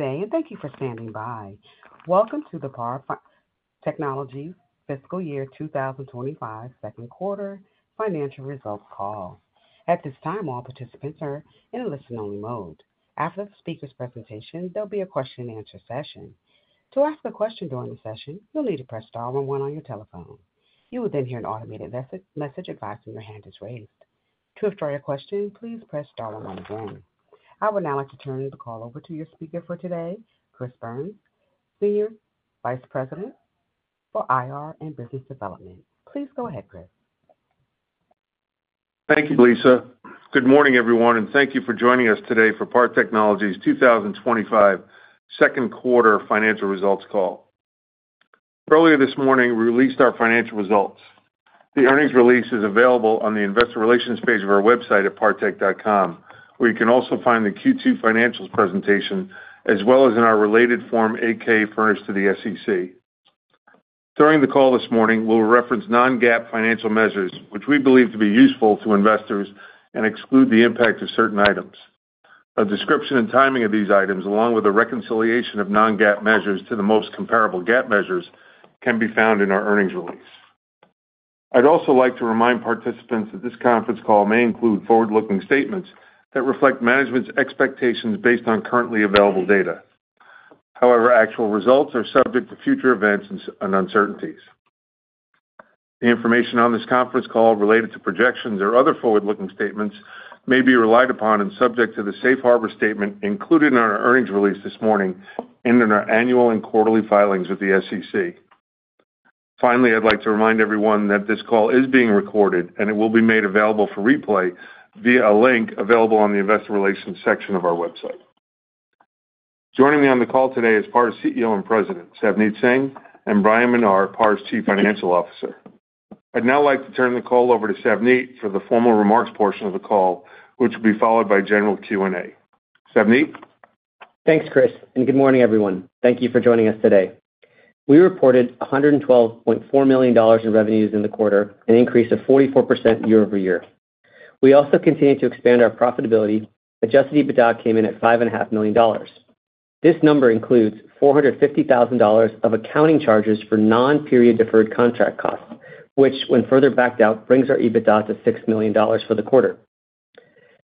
Thank you for standing by. Welcome to the PAR Technology Fiscal Year 2025 Second Quarter Financial Results Call. At this time, all participants are in a listen-only mode. After the speaker's presentation, there will be a question and answer session. To ask a question during the session, you'll need to press star and one on your telephone. You will then hear an automated message advising your hand is raised. To inquire a question, please press star and one again. I would now like to turn the call over to your speaker for today, Chris Byrnes, Senior Vice President for IR and Business Development. Please go ahead, Chris. Thank you, Lisa. Good morning, everyone, and thank you for joining us today for PAR Technology Corporation's 2025 Second Quarter Financial Results Call. Earlier this morning, we released our financial results. The earnings release is available on the Investor Relations page of our website at partech.com, where you can also find the Q2 financials presentation, as well as in our related form, Form 8-K furnished to the SEC. During the call this morning, we'll reference non-GAAP financial measures, which we believe to be useful to investors and exclude the impact of certain items. A description and timing of these items, along with a reconciliation of non-GAAP measures to the most comparable GAAP measures, can be found in our earnings release. I'd also like to remind participants that this conference call may include forward-looking statements that reflect management's expectations based on currently available data. However, actual results are subject to future events and uncertainties. The information on this conference call related to projections or other forward-looking statements may be relied upon and subject to the Safe Harbor statement included in our earnings release this morning and in our annual and quarterly filings with the SEC. Finally, I'd like to remind everyone that this call is being recorded, and it will be made available for replay via a link available on the Investor Relations section of our website. Joining me on the call today is PAR's CEO and President, Savneet Singh, and Bryan Menar, PAR's Chief Financial Officer. I'd now like to turn the call over to Savneet for the formal remarks portion of the call, which will be followed by general Q&A. Savneet? Thanks, Chris, and good morning, everyone. Thank you for joining us today. We reported $112.4 million in revenues in the quarter, an increase of 44% year-over-year. We also continued to expand our profitability, adjusted EBITDA came in at $5.5 million. This number includes $450,000 of accounting charges for non-period deferred contract costs, which, when further backed out, brings our EBITDA to $6 million for the quarter.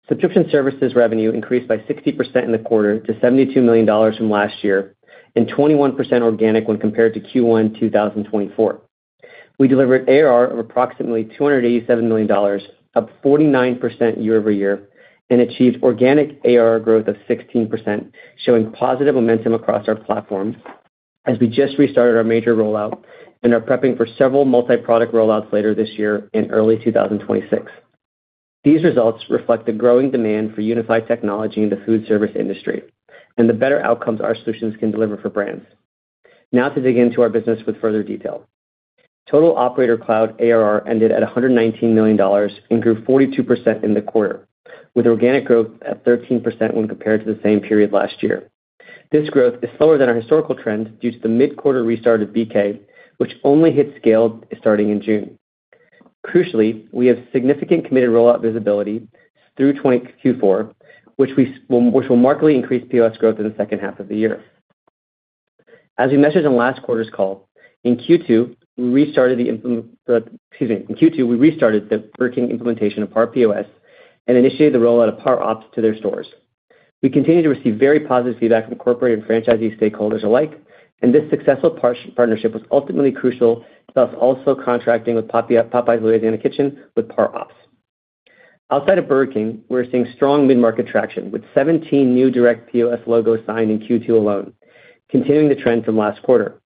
Subscription services revenue increased by 60% in the quarter to $72 million from last year, and 21% organic when compared to Q1 2024. We delivered ARR of approximately $287 million, up 49% year-over-year, and achieved organic ARR growth of 16%, showing positive momentum across our platform as we just restarted our major rollout and are prepping for several multi-product rollouts later this year and early 2026. These results reflect the growing demand for unified technology in the food service industry and the better outcomes our solutions can deliver for brands. Now to dig into our business with further detail. Total Operator Cloud ARR ended at $119 million and grew 42% in the quarter, with organic growth at 13% when compared to the same period last year. This growth is slower than our historical trend due to the mid-quarter restart of Burger King, which only hit scale starting in June. Crucially, we have significant committed rollout visibility through Q4, which will markedly increase POS growth in the second half of the year. As we mentioned in last quarter's call, in Q2, we restarted the Burger King implementation of PAR POS and initiated the rollout of PAR OPS to their stores. We continue to receive very positive feedback from corporate and franchisee stakeholders alike, and this successful partnership was ultimately crucial to us also contracting with Popeyes Louisiana Kitchen with PAR OPS. Outside of Burger King, we're seeing strong mid-market traction with 17 new direct POS logos signed in Q2 alone, continuing the trend from last quarter.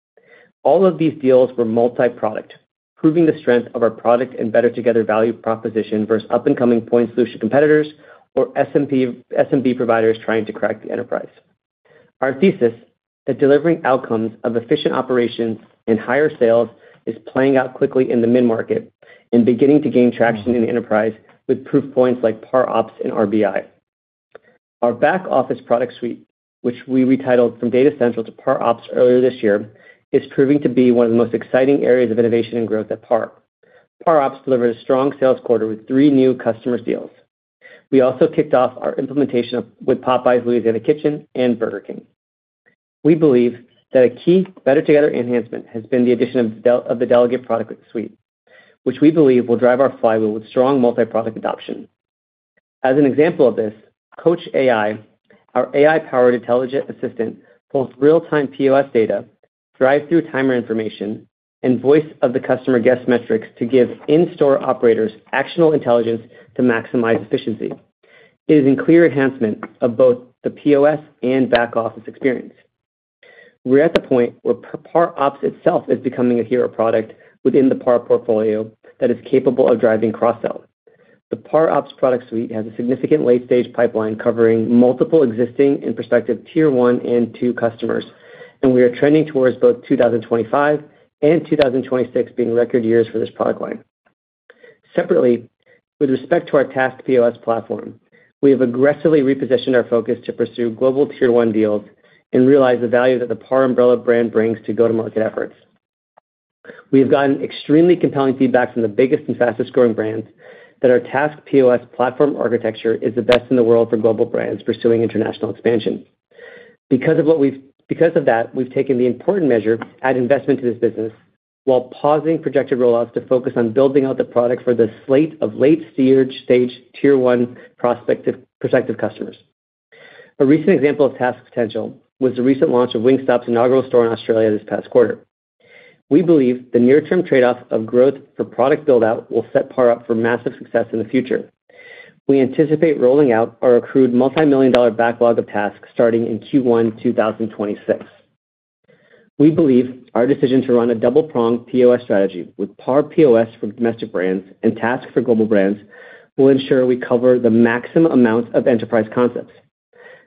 All of these deals were multi-product, proving the strength of our product and better-together value proposition versus up-and-coming point solution competitors or SMB providers trying to crack the enterprise. Our thesis is delivering outcomes of efficient operations and higher sales is playing out quickly in the mid-market and beginning to gain traction in the enterprise with proof points like PAR OPS and RBI. Our back-office product suite, which we retitled from Data Central to PAR OPS earlier this year, is proving to be one of the most exciting areas of innovation and growth at PAR. PAR OPS delivered a strong sales quarter with three new customer deals. We also kicked off our implementation with Popeyes Louisiana Kitchen and Burger King. We believe that a key better-together enhancement has been the addition of the Delegate product suite, which we believe will drive our flywheel with strong multi-product adoption. As an example of this, Coach AI, our AI-powered intelligent assistant, both real-time POS data, drive-through timer information, and voice of the customer guest metrics to give in-store operators actionable intelligence to maximize efficiency. It is in clear enhancement of both the POS and back-office experience. We're at the point where PAR OPS itself is becoming a hero product within the PAR portfolio that is capable of driving cross-sell. The PAR OPS product suite has a significant late-stage pipeline covering multiple existing and prospective Tier 1 and Tier 2 customers, and we are trending towards both 2025 and 2026 being record years for this product line. Separately, with respect to our TASK POS platform, we have aggressively repositioned our focus to pursue global Tier 1 deals and realize the value that the PAR umbrella brand brings to go-to-market efforts. We have gotten extremely compelling feedback from the biggest and fastest growing brands that our TASK POS platform architecture is the best in the world for global brands pursuing international expansion. Because of that, we've taken the important measure to add investment to this business while pausing projected rollouts to focus on building out the product for the slate of late-stage Tier 1 prospective customers. A recent example of TASK's potential was the recent launch of Wingstop's inaugural store in Australia this past quarter. We believe the near-term trade-off of growth for product build-out will set PAR up for massive success in the future. We anticipate rolling out our accrued multi-million dollar backlog of TASKs starting in Q1 2026. We believe our decision to run a double-pronged POS strategy with PAR POS for domestic brands and TASK for global brands will ensure we cover the maximum amount of enterprise concepts.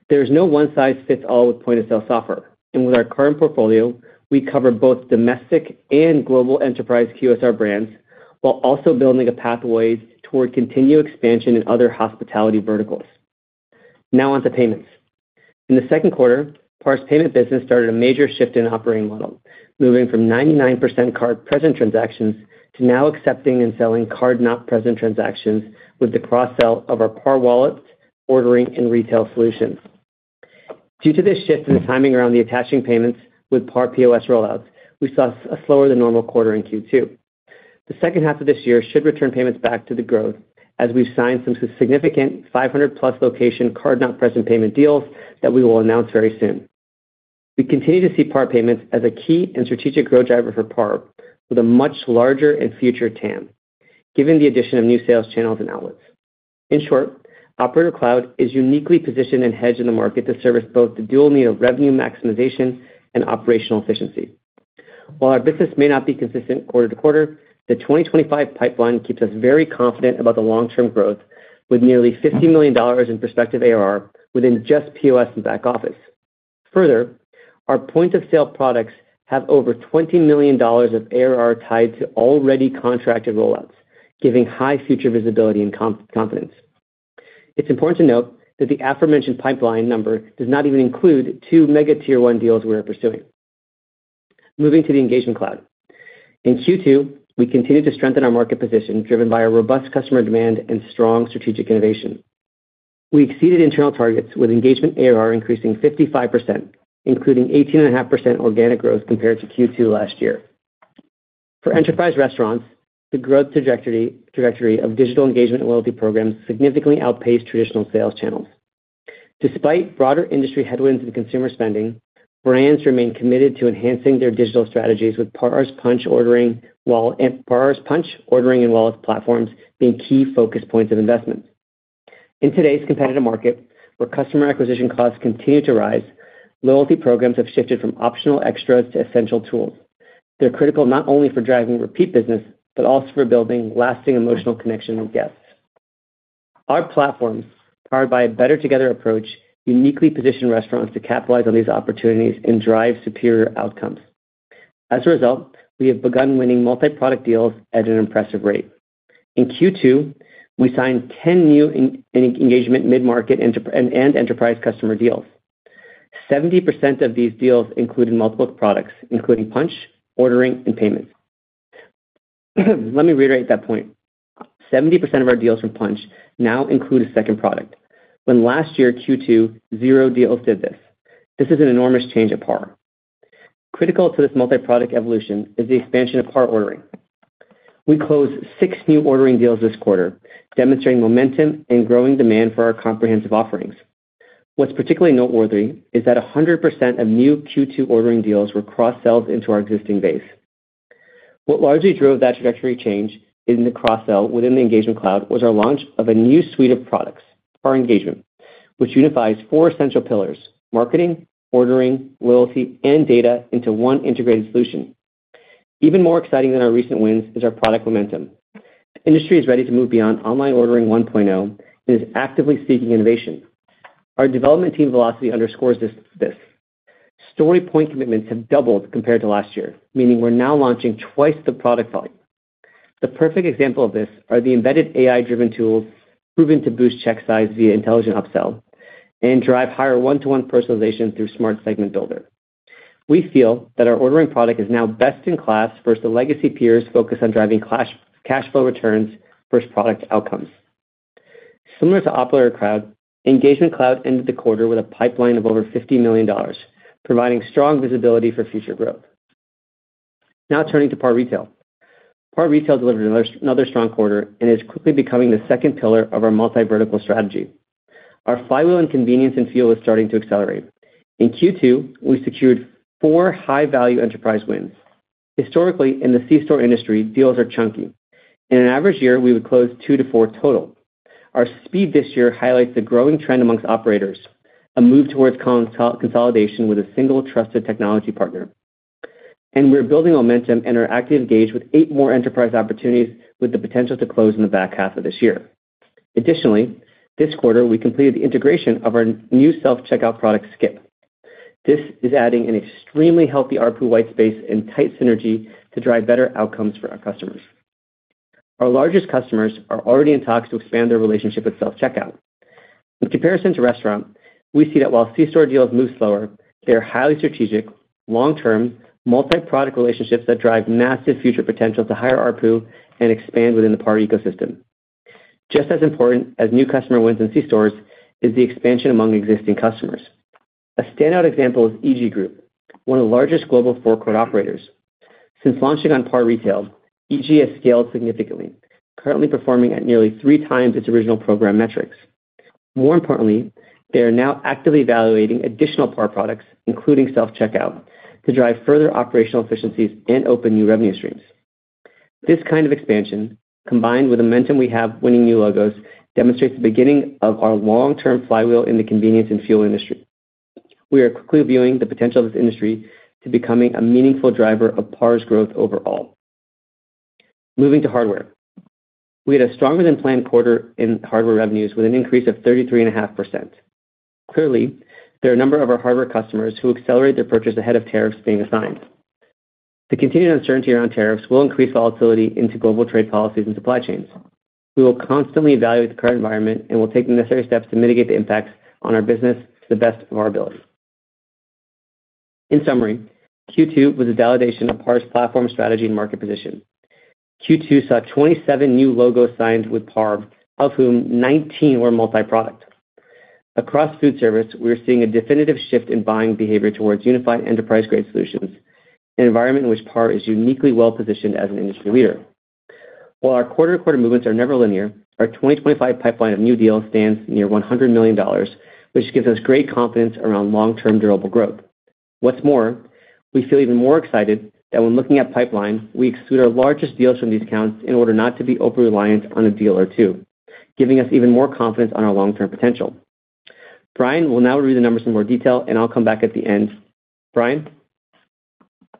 There is no one-size-fits-all with point-of-sale software, and with our current portfolio, we cover both domestic and global enterprise QSR brands while also building a pathway toward continued expansion in other hospitality verticals. Now onto payments. In the second quarter, PAR's payment business started a major shift in operating model, moving from 99% card present transactions to now accepting and selling card not present transactions with the cross-sell of our PAR wallets, ordering, and retail solutions. Due to this shift in the timing around the attaching payments with PAR POS rollouts, we saw a slower than normal quarter in Q2. The second half of this year should return payments back to the growth as we've signed some significant 500+ location card not present payment deals that we will announce very soon. We continue to see PAR payments as a key and strategic growth driver for PAR with a much larger and future TAM, given the addition of new sales channels and outlets. In short, Operator Cloud is uniquely positioned and hedged in the market to service both the dual need of revenue maximization and operational efficiency. While our business may not be consistent quarter to quarter, the 2025 pipeline keeps us very confident about the long-term growth with nearly $50 million in prospective ARR within just POS and back office. Further, our point-of-sale products have over $20 million of ARR tied to already contracted rollouts, giving high future visibility and confidence. It's important to note that the aforementioned pipeline number does not even include two mega Tier 1 deals we are pursuing. Moving to the Engagement Cloud. In Q2, we continue to strengthen our market position, driven by our robust customer demand and strong strategic innovation. We exceeded internal targets with engagement ARR increasing 55%, including 18.5% organic growth compared to Q2 last year. For enterprise restaurants, the growth trajectory of digital engagement and loyalty programs significantly outpaced traditional sales channels. Despite broader industry headwinds in consumer spending, brands remain committed to enhancing their digital strategies with PAR's punch ordering and wallet platforms being key focus points of investment. In today's competitive market, where customer acquisition costs continue to rise, loyalty programs have shifted from optional extras to essential tools. They're critical not only for driving repeat business but also for building lasting emotional connections with guests. Our platforms, powered by a better-together approach, uniquely position restaurants to capitalize on these opportunities and drive superior outcomes. As a result, we have begun winning multi-product deals at an impressive rate. In Q2, we signed 10 new engagement mid-market and enterprise customer deals. 70% of these deals included multiple products, including Punchh, ordering, and payment. Let me reiterate that point. 70% of our deals from Punchh now include a second product, when last year Q2, zero deals did this. This is an enormous change at PAR. Critical to this multi-product evolution is the expansion of PAR ordering. We closed six new ordering deals this quarter, demonstrating momentum and growing demand for our comprehensive offerings. What's particularly noteworthy is that 100% of new Q2 ordering deals were cross-sold into our existing base. What largely drove that trajectory change in the cross-sell within the Engagement Cloud was our launch of a new suite of products, PAR Engagement, which unifies four essential pillars: marketing, ordering, loyalty, and data into one integrated solution. Even more exciting than our recent wins is our product momentum. The industry is ready to move beyond Online Ordering 1.0 and is actively seeking innovation. Our development team velocity underscores this. Storypoint commitments have doubled compared to last year, meaning we're now launching twice the product volume. The perfect example of this are the embedded AI-driven tool proven to boost check size via intelligent upsell and drive higher one-to-one personalization through Smart Segment Builder. We feel that our ordering product is now best in class versus the legacy peers focused on driving cash flow returns versus product outcomes. Similar to Operator Cloud, Engagement Cloud ended the quarter with a pipeline of over $50 million, providing strong visibility for future growth. Now turning to PAR Retail. PAR Retail delivered another strong quarter and is quickly becoming the second pillar of our multi-vertical strategy. Our flywheel in convenience and fuel is starting to accelerate. In Q2, we secured four high-value enterprise wins. Historically, in the C-store industry, deals are chunky. In an average year, we would close two to four total. Our speed this year highlights the growing trend amongst operators, a move towards consolidation with a single trusted technology partner. We're building momentum and are actively engaged with eight more enterprise opportunities with the potential to close in the back half of this year. Additionally, this quarter we completed the integration of our new self-checkout product, Skip. This is adding an extremely healthy ARPU whitespace and tight synergy to drive better outcomes for our customers. Our largest customers are already in talks to expand their relationship with self-checkout. In comparison to restaurant, we see that while C-store deals move slower, they are highly strategic, long-term, multi-product relationships that drive massive future potential to higher ARPU and expand within the PAR ecosystem. Just as important as new customer wins in C-stores is the expansion among existing customers. A standout example is EG Group, one of the largest global forecourt operators. Since launching on PAR Retail, EG has scaled significantly, currently performing at nearly 3x its original program metrics. More importantly, they are now actively evaluating additional PAR products, including self-checkout, to drive further operational efficiencies and open new revenue streams. This kind of expansion, combined with the momentum we have winning new logos, demonstrates the beginning of our long-term flywheel in the convenience and fuel industry. We are quickly viewing the potential of this industry to becoming a meaningful driver of PAR's growth overall. Moving to hardware, we had a stronger-than-planned quarter in hardware revenues with an increase of 33.5%. Clearly, there are a number of our hardware customers who accelerate their purchase ahead of tariffs being assigned. The continued uncertainty around tariffs will increase volatility into global trade policies and supply chains. We will constantly evaluate the current environment and will take the necessary steps to mitigate the impacts on our business to the best of our ability. In summary, Q2 was a validation of PAR's platform strategy and market position. Q2 saw 27 new logos signed with PAR, of whom 19 were multi-product. Across food service, we are seeing a definitive shift in buying behavior towards unified enterprise-grade solutions, an environment in which PAR is uniquely well-positioned as an industry leader. While our quarter-to-quarter movements are never linear, our 2025 pipeline of new deals stands near $100 million, which gives us great confidence around long-term durable growth. What's more, we feel even more excited that when looking at pipeline, we exclude our largest deals from these accounts in order not to be over-reliant on a deal or two, giving us even more confidence on our long-term potential. Bryan will now review the numbers in more detail, and I'll come back at the end. Bryan?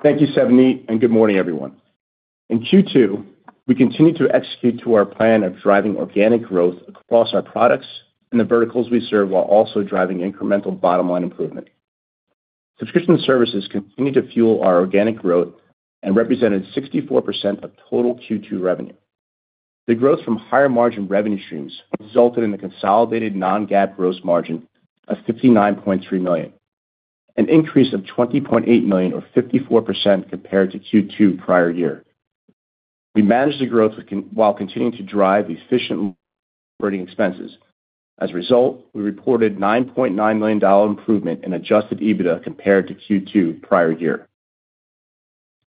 Thank you, Savneet, and good morning, everyone. In Q2, we continue to execute to our plan of driving organic growth across our products and the verticals we serve, while also driving incremental bottom-line improvement. Subscription services continue to fuel our organic growth and represented 64% of total Q2 revenue. The growth from higher margin revenue streams resulted in the consolidated non-GAAP gross margin of $59.3 million, an increase of $20.8 million, or 54% compared to Q2 prior year. We managed the growth while continuing to drive the efficient operating expenses. As a result, we reported a $9.9 million improvement in adjusted EBITDA compared to Q2 prior year.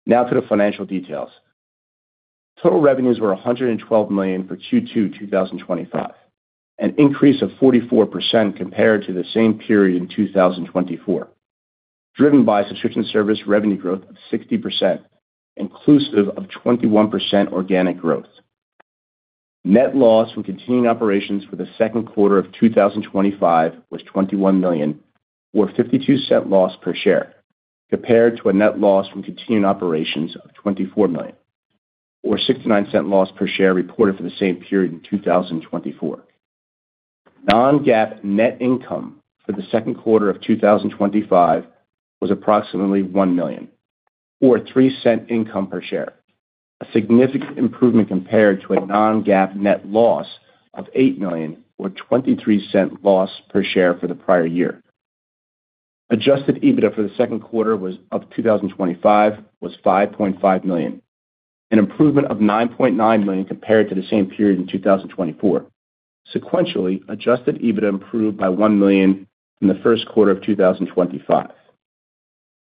Now to the financial details. Total revenues were $112 million for Q2 2025, an increase of 44% compared to the same period in 2024, driven by subscription service revenue growth of 60%, inclusive of 21% organic growth. Net loss from continuing operations for the second quarter of 2025 was $21 million, or $0.52 loss per share, compared to a net loss from continuing operations of $24 million, or $0.69 loss per share reported for the same period in 2024. Non-GAAP net income for the second quarter of 2025 was approximately $1 million, or $0.03 income per share, a significant improvement compared to a non-GAAP net loss of $8 million, or $0.23 loss per share for the prior year. Adjusted EBITDA for the second quarter of 2025 was $5.5 million, an improvement of $9.9 million compared to the same period in 2024. Sequentially, adjusted EBITDA improved by $1 million in the first quarter of 2025.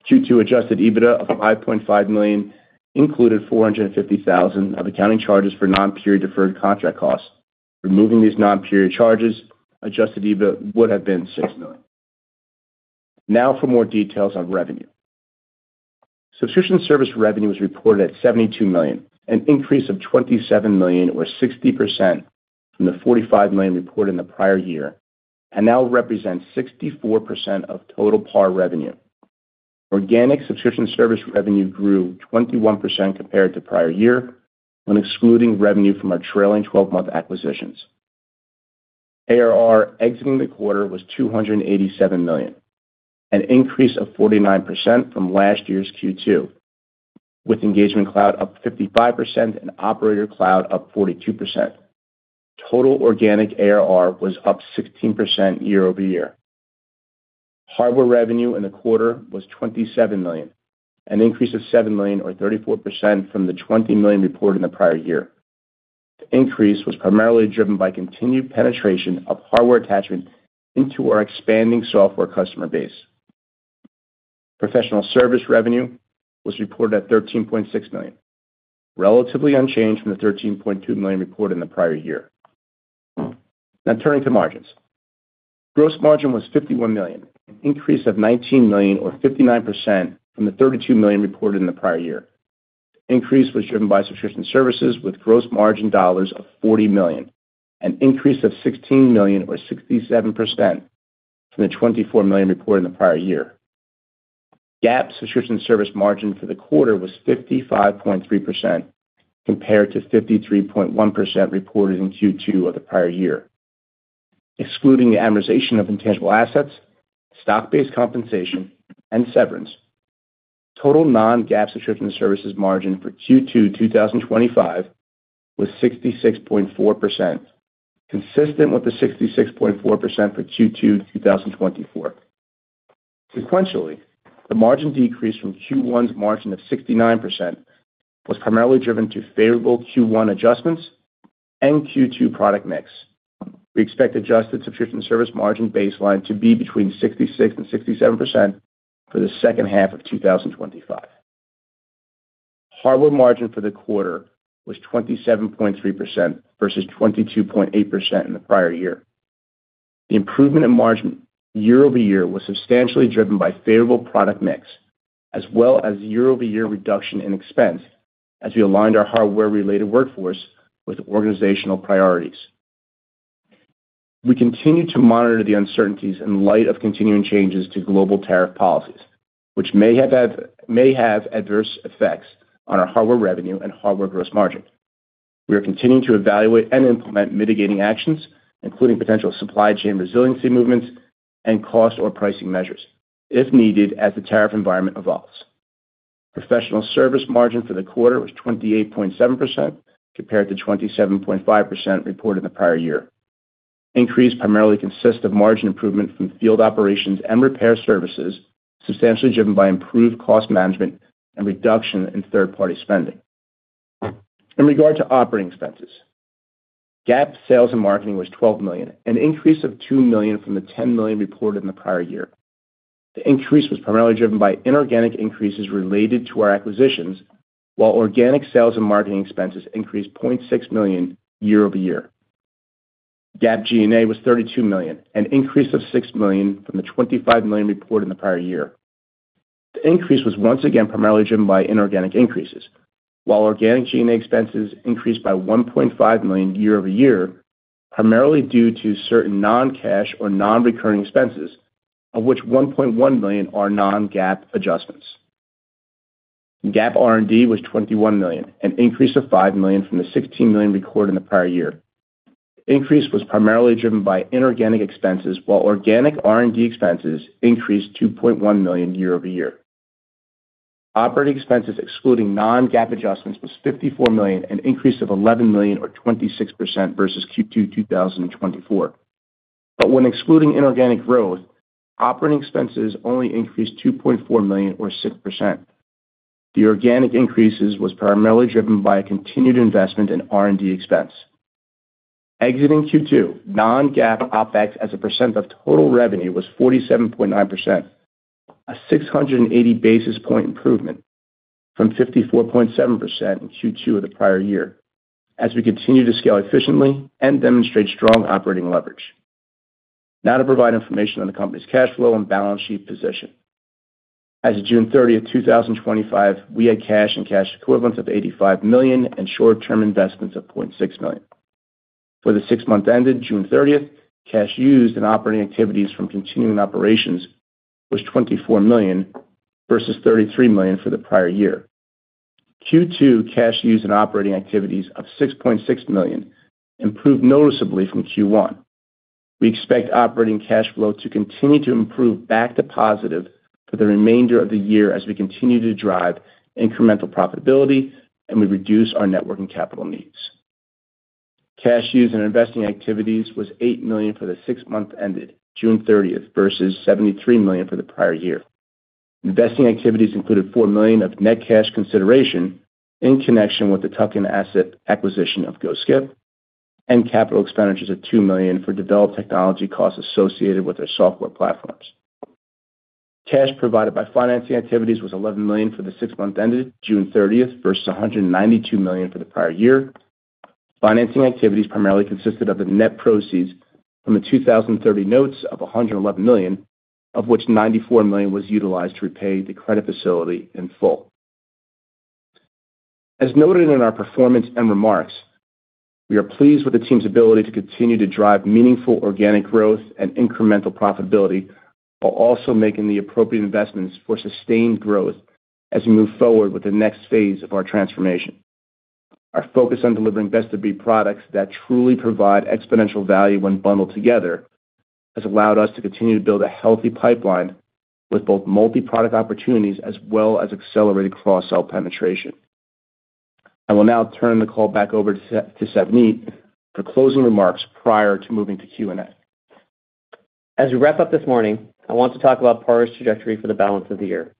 Q2 adjusted EBITDA of $5.5 million included $450,000 of accounting charges for non-period deferred contract costs. Removing these non-period charges, adjusted EBITDA would have been $6 million. Now for more details on revenue. Subscription service revenue was reported at $72 million, an increase of $27 million, or 60% from the $45 million reported in the prior year, and now represents 64% of total PAR revenue. Organic subscription service revenue grew 21% compared to prior year when excluding revenue from our trailing 12-month acquisitions. ARR exiting the quarter was $287 million, an increase of 49% from last year's Q2, with Engagement Cloud up 55% and Operator Cloud up 42%. Total organic ARR was up 16% year-over-year. Hardware revenue in the quarter was $27 million, an increase of $7 million, or 34% from the $20 million reported in the prior year. The increase was primarily driven by continued penetration of hardware attachment into our expanding software customer base. Professional service revenue was reported at $13.6 million, relatively unchanged from the $13.2 million reported in the prior year. Now turning to margins. Gross margin was $51 million, an increase of $19 million, or 59% from the $32 million reported in the prior year. The increase was driven by subscription services with gross margin dollars of $40 million, an increase of $16 million, or 67% from the $24 million reported in the prior year. GAAP subscription service margin for the quarter was 55.3% compared to 53.1% reported in Q2 of the prior year. Excluding the amortization of intangible assets, stock-based compensation, and severance, total non-GAAP subscription services margin for Q2 2025 was 66.4%, consistent with the 66.4% for Q2 2024. Sequentially, the margin decrease from Q1's margin of 69% was primarily driven due to favorable Q1 adjustments and Q2 product mix. We expect adjusted subscription service margin baseline to be between 66% and 67% for the second half of 2025. Hardware margin for the quarter was 27.3% versus 22.8% in the prior year. The improvement in margin year-over-year was substantially driven by favorable product mix, as well as year-over-year reduction in expense as we aligned our hardware-related workforce with organizational priorities. We continue to monitor the uncertainties in light of continuing changes to global tariff policies, which may have adverse effects on our hardware revenue and hardware gross margins. We are continuing to evaluate and implement mitigating actions, including potential supply chain resiliency movements and cost or pricing measures, if needed as the tariff environment evolves. Professional service margin for the quarter was 28.7% compared to 27.5% reported in the prior year. Increase primarily consists of margin improvement from field operations and repair services, substantially driven by improved cost management and reduction in third-party spending. In regard to operating expenses, GAAP Sales and Marketing was $12 million, an increase of $2 million from the $10 million reported in the prior year. The increase was primarily driven by inorganic increases related to our acquisitions, while organic Sales and Marketing expenses increased $0.6 million year-over-year. GAAP G&A was $32 million, an increase of $6 million from the $25 million reported in the prior year. The increase was once again primarily driven by inorganic increases, while organic G&A expenses increased by $1.5 million year-over-year, primarily due to certain non-cash or non-recurring expenses, of which $1.1 million are non-GAAP adjustments. GAAP R&D was $21 million, an increase of $5 million from the $16 million recorded in the prior year. The increase was primarily driven by inorganic expenses, while organic R&D expenses increased $2.1 million year-over-year. Operating expenses, excluding non-GAAP adjustments, were $54 million, an increase of $11 million, or 26% versus Q2 2024. When excluding inorganic growth, operating expenses only increased $2.4 million, or 6%. The organic increases were primarily driven by continued investment in R&D expense. Exiting Q2, non-GAAP OPEX as a percent of total revenue was 47.9%, a 680 basis point improvement from 54.7% in Q2 of the prior year, as we continue to scale efficiently and demonstrate strong operating leverage. Now to provide information on the company's cash flow and balance sheet position. As of June 30th, 2025, we had cash and cash equivalents of $85 million and short-term investments of $0.6 million. For the six months ended June 30th, cash used in operating activities from continuing operations was $24 million versus $33 million for the prior year. Q2 cash used in operating activities of $6.6 million improved noticeably from Q1. We expect operating cash flow to continue to improve back to positive for the remainder of the year as we continue to drive incremental profitability and we reduce our net working capital needs. Cash used in investing activities was $8 million for the six months ended June 30th versus $73 million for the prior year. Investing activities included $4 million of net cash consideration in connection with the tuck-in asset acquisition of Go Skip and capital expenditures of $2 million for developed technology costs associated with our software platforms. Cash provided by financing activities was $11 million for the six months ended June 30 versus $192 million for the prior year. Financing activities primarily consisted of the net proceeds from the 2030 notes of $111 million, of which $94 million was utilized to repay the credit facility in full. As noted in our performance and remarks, we are pleased with the team's ability to continue to drive meaningful organic growth and incremental profitability while also making the appropriate investments for sustained growth as we move forward with the next phase of our transformation. Our focus on delivering best-of-breed products that truly provide exponential value when bundled together has allowed us to continue to build a healthy pipeline with both multi-product opportunities as well as accelerated cross-sell penetration. I will now turn the call back over to Savneet for closing remarks prior to moving to Q&A. As we wrap up this morning, I want to talk about PAR's trajectory for the balance of the year.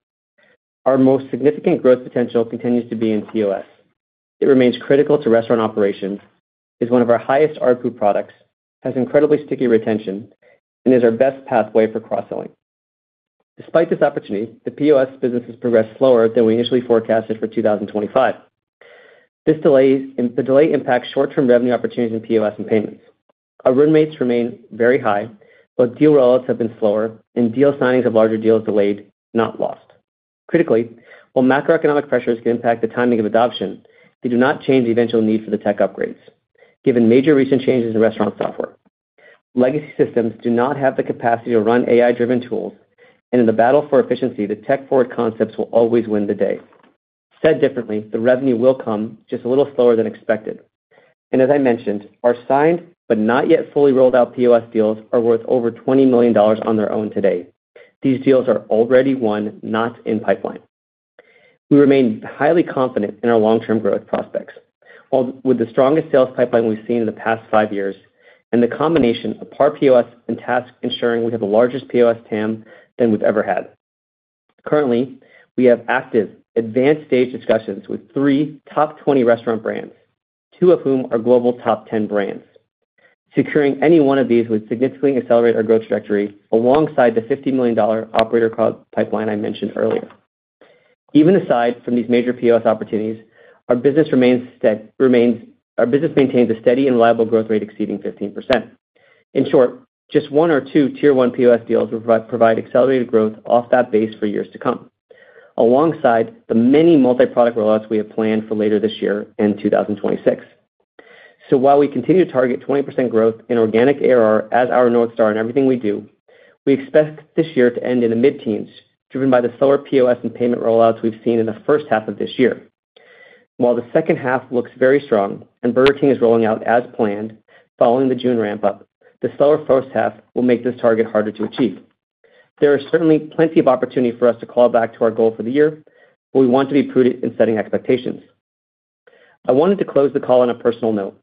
Our most significant growth potential continues to be in POS. It remains critical to restaurant operations, is one of our highest ARPU products, has incredibly sticky retention, and is our best pathway for cross-selling. Despite this opportunity, the POS business has progressed slower than we initially forecasted for 2025. The delay impacts short-term revenue opportunities in POS and payments. Our run rates remain very high, but deal rollouts have been slower, and deal signings of larger deals delayed, not lost. Critically, while macroeconomic pressures can impact the timing of adoption, they do not change the eventual need for the tech upgrades, given major recent changes in restaurant software. Legacy systems do not have the capacity to run AI-driven tools, and in the battle for efficiency, the tech-forward concepts will always win the day. Said differently, the revenue will come just a little slower than expected. As I mentioned, our signed but not yet fully rolled out POS deals are worth over $20 million on their own today. These deals are already won, not in pipeline. We remain highly confident in our long-term growth prospects, with the strongest sales pipeline we've seen in the past five years and the combination of PAR POS and TASK ensuring we have the largest POS TAM than we've ever had. Currently, we have active advanced-stage discussions with three top 20 restaurant brands, two of whom are global top 10 brands. Securing any one of these would significantly accelerate our growth trajectory alongside the $50 million Operator Cloud pipeline I mentioned earlier. Even aside from these major POS opportunities, our business maintains a steady and reliable growth rate exceeding 15%. In short, just one or two Tier 1 POS deals will provide accelerated growth off that base for years to come, alongside the many multi-product rollouts we have planned for later this year and 2026. While we continue to target 20% growth in organic ARR as our North Star in everything we do, we expect this year to end in the mid-teens, driven by the slower POS and payment rollouts we've seen in the first half of this year. While the second half looks very strong and Burger King is rolling out as planned following the June ramp-up, the slower first half will make this target harder to achieve. There are certainly plenty of opportunities for us to claw back to our goal for the year, but we want to be prudent in setting expectations. I wanted to close the call on a personal note.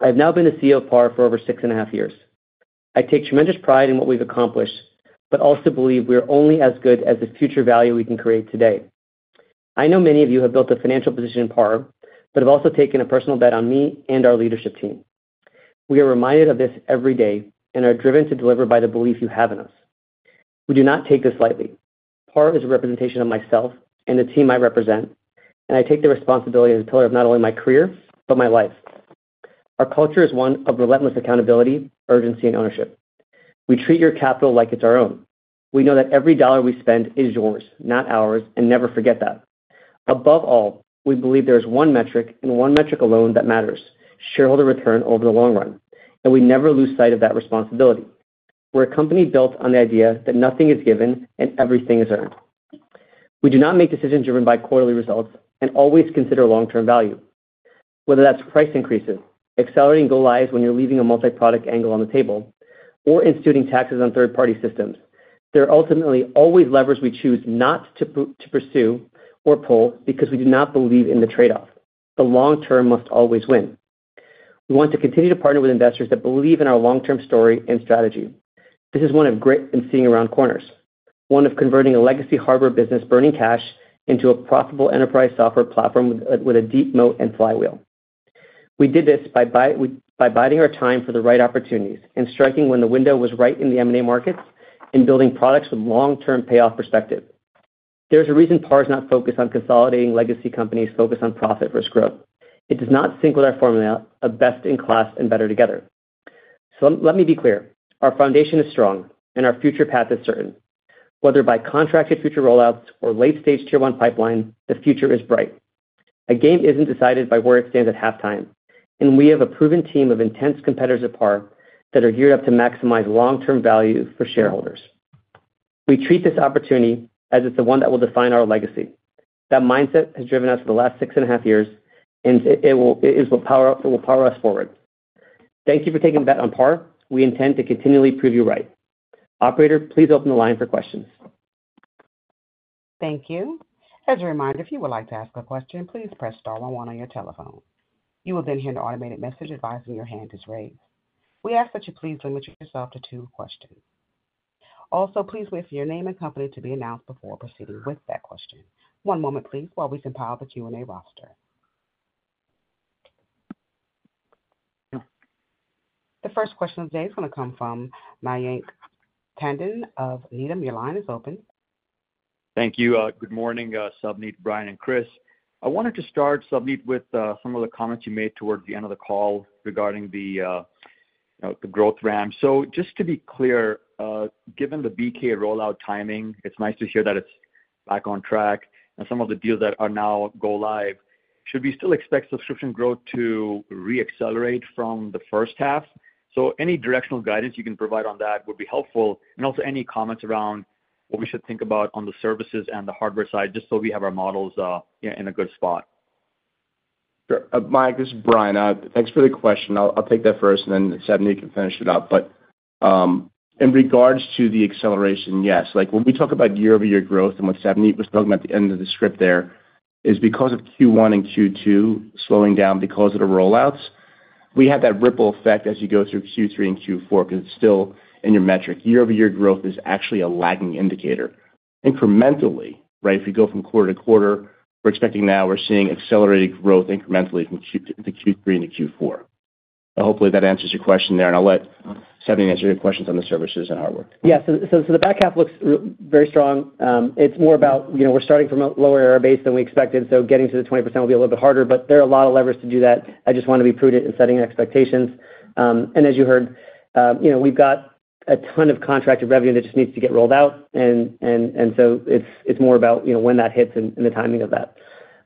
I have now been the CEO of PAR for over six and a half years. I take tremendous pride in what we've accomplished, but also believe we are only as good as the future value we can create today. I know many of you have built a financial position in PAR, but have also taken a personal bet on me and our leadership team. We are reminded of this every day and are driven to deliver by the belief you have in us. We do not take this lightly. PAR is a representation of myself and the team I represent, and I take the responsibility and the pillar of not only my career, but my life. Our culture is one of relentless accountability, urgency, and ownership. We treat your capital like it's our own. We know that every dollar we spend is yours, not ours, and never forget that. Above all, we believe there is one metric and one metric alone that matters: shareholder return over the long run, and we never lose sight of that responsibility. We're a company built on the idea that nothing is given and everything is earned. We do not make decisions driven by quarterly results and always consider long-term value. Whether that's price increases, accelerating go lives when you're leaving a multi-product angle on the table, or instituting taxes on third-party systems, there are ultimately always levers we choose not to pursue or pull because we do not believe in the trade-off. The long-term must always win. We want to continue to partner with investors that believe in our long-term story and strategy. This is one of grit and seeing around corners, one of converting a legacy hardware business burning cash into a profitable enterprise software platform with a deep moat and flywheel. We did this by biding our time for the right opportunities and striking when the window was right in the M&A markets and building products with long-term payoff perspective. There's a reason PAR is not focused on consolidating legacy companies focused on profit versus growth. It does not sync with our formula of best in class and better together. Let me be clear. Our foundation is strong and our future path is certain. Whether by contracted future rollouts or late-stage Tier 1 pipeline, the future is bright. A game isn't decided by where it stands at halftime, and we have a proven team of intense competitors at PAR that are geared up to maximize long-term value for shareholders. We treat this opportunity as it's the one that will define our legacy. That mindset has driven us for the last six and a half years, and it will power us forward. Thank you for taking a bet on PAR. We intend to continually prove you right. Operator, please open the line for questions. Thank you. As a reminder, if you would like to ask a question, please press star one on your telephone. You will then hear an automated message advising your hand is raised. We ask that you please limit yourself to two questions. Also, please wait for your name and company to be announced before proceeding with that question. One moment, please, while we compile the Q&A roster. The first question of the day is going to come from Mayank Tandon of Needham. Your line is open. Thank you. Good morning, Savneet, Bryan, and Chris. I wanted to start, Savneet, with some of the comments you made toward the end of the call regarding the growth ramp. Just to be clear, given the Burger King rollout timing, it's nice to hear that it's back on track and some of the deals that are now go live. Should we still expect subscription growth to re-accelerate from the first half? Any directional guidance you can provide on that would be helpful, and also any comments around what we should think about on the services and the hardware side just so we have our models in a good spot. Mike, this is Bryan. Thanks for the question. I'll take that first, and then Savneet can finish it up. In regards to the acceleration, yes. When we talk about year-over-year growth and what Savneet was talking about at the end of the script there, it is because of Q1 and Q2 slowing down because of the rollouts. We have that ripple effect as you go through Q3 and Q4 because it's still in your metric. Year-over-year growth is actually a lagging indicator. Incrementally, if we go from quarter to quarter, we're expecting now we're seeing accelerated growth incrementally from Q3 to Q3. Hopefully, that answers your question there, and I'll let Savneet answer your questions on the services and hardware. Yeah, so the back half looks very strong. It's more about, you know, we're starting from a lower ARR base than we expected, so getting to the 20% will be a little bit harder, but there are a lot of levers to do that. I just want to be prudent in setting expectations. As you heard, we've got a ton of contracted revenue that just needs to get rolled out, so it's more about when that hits and the timing of that.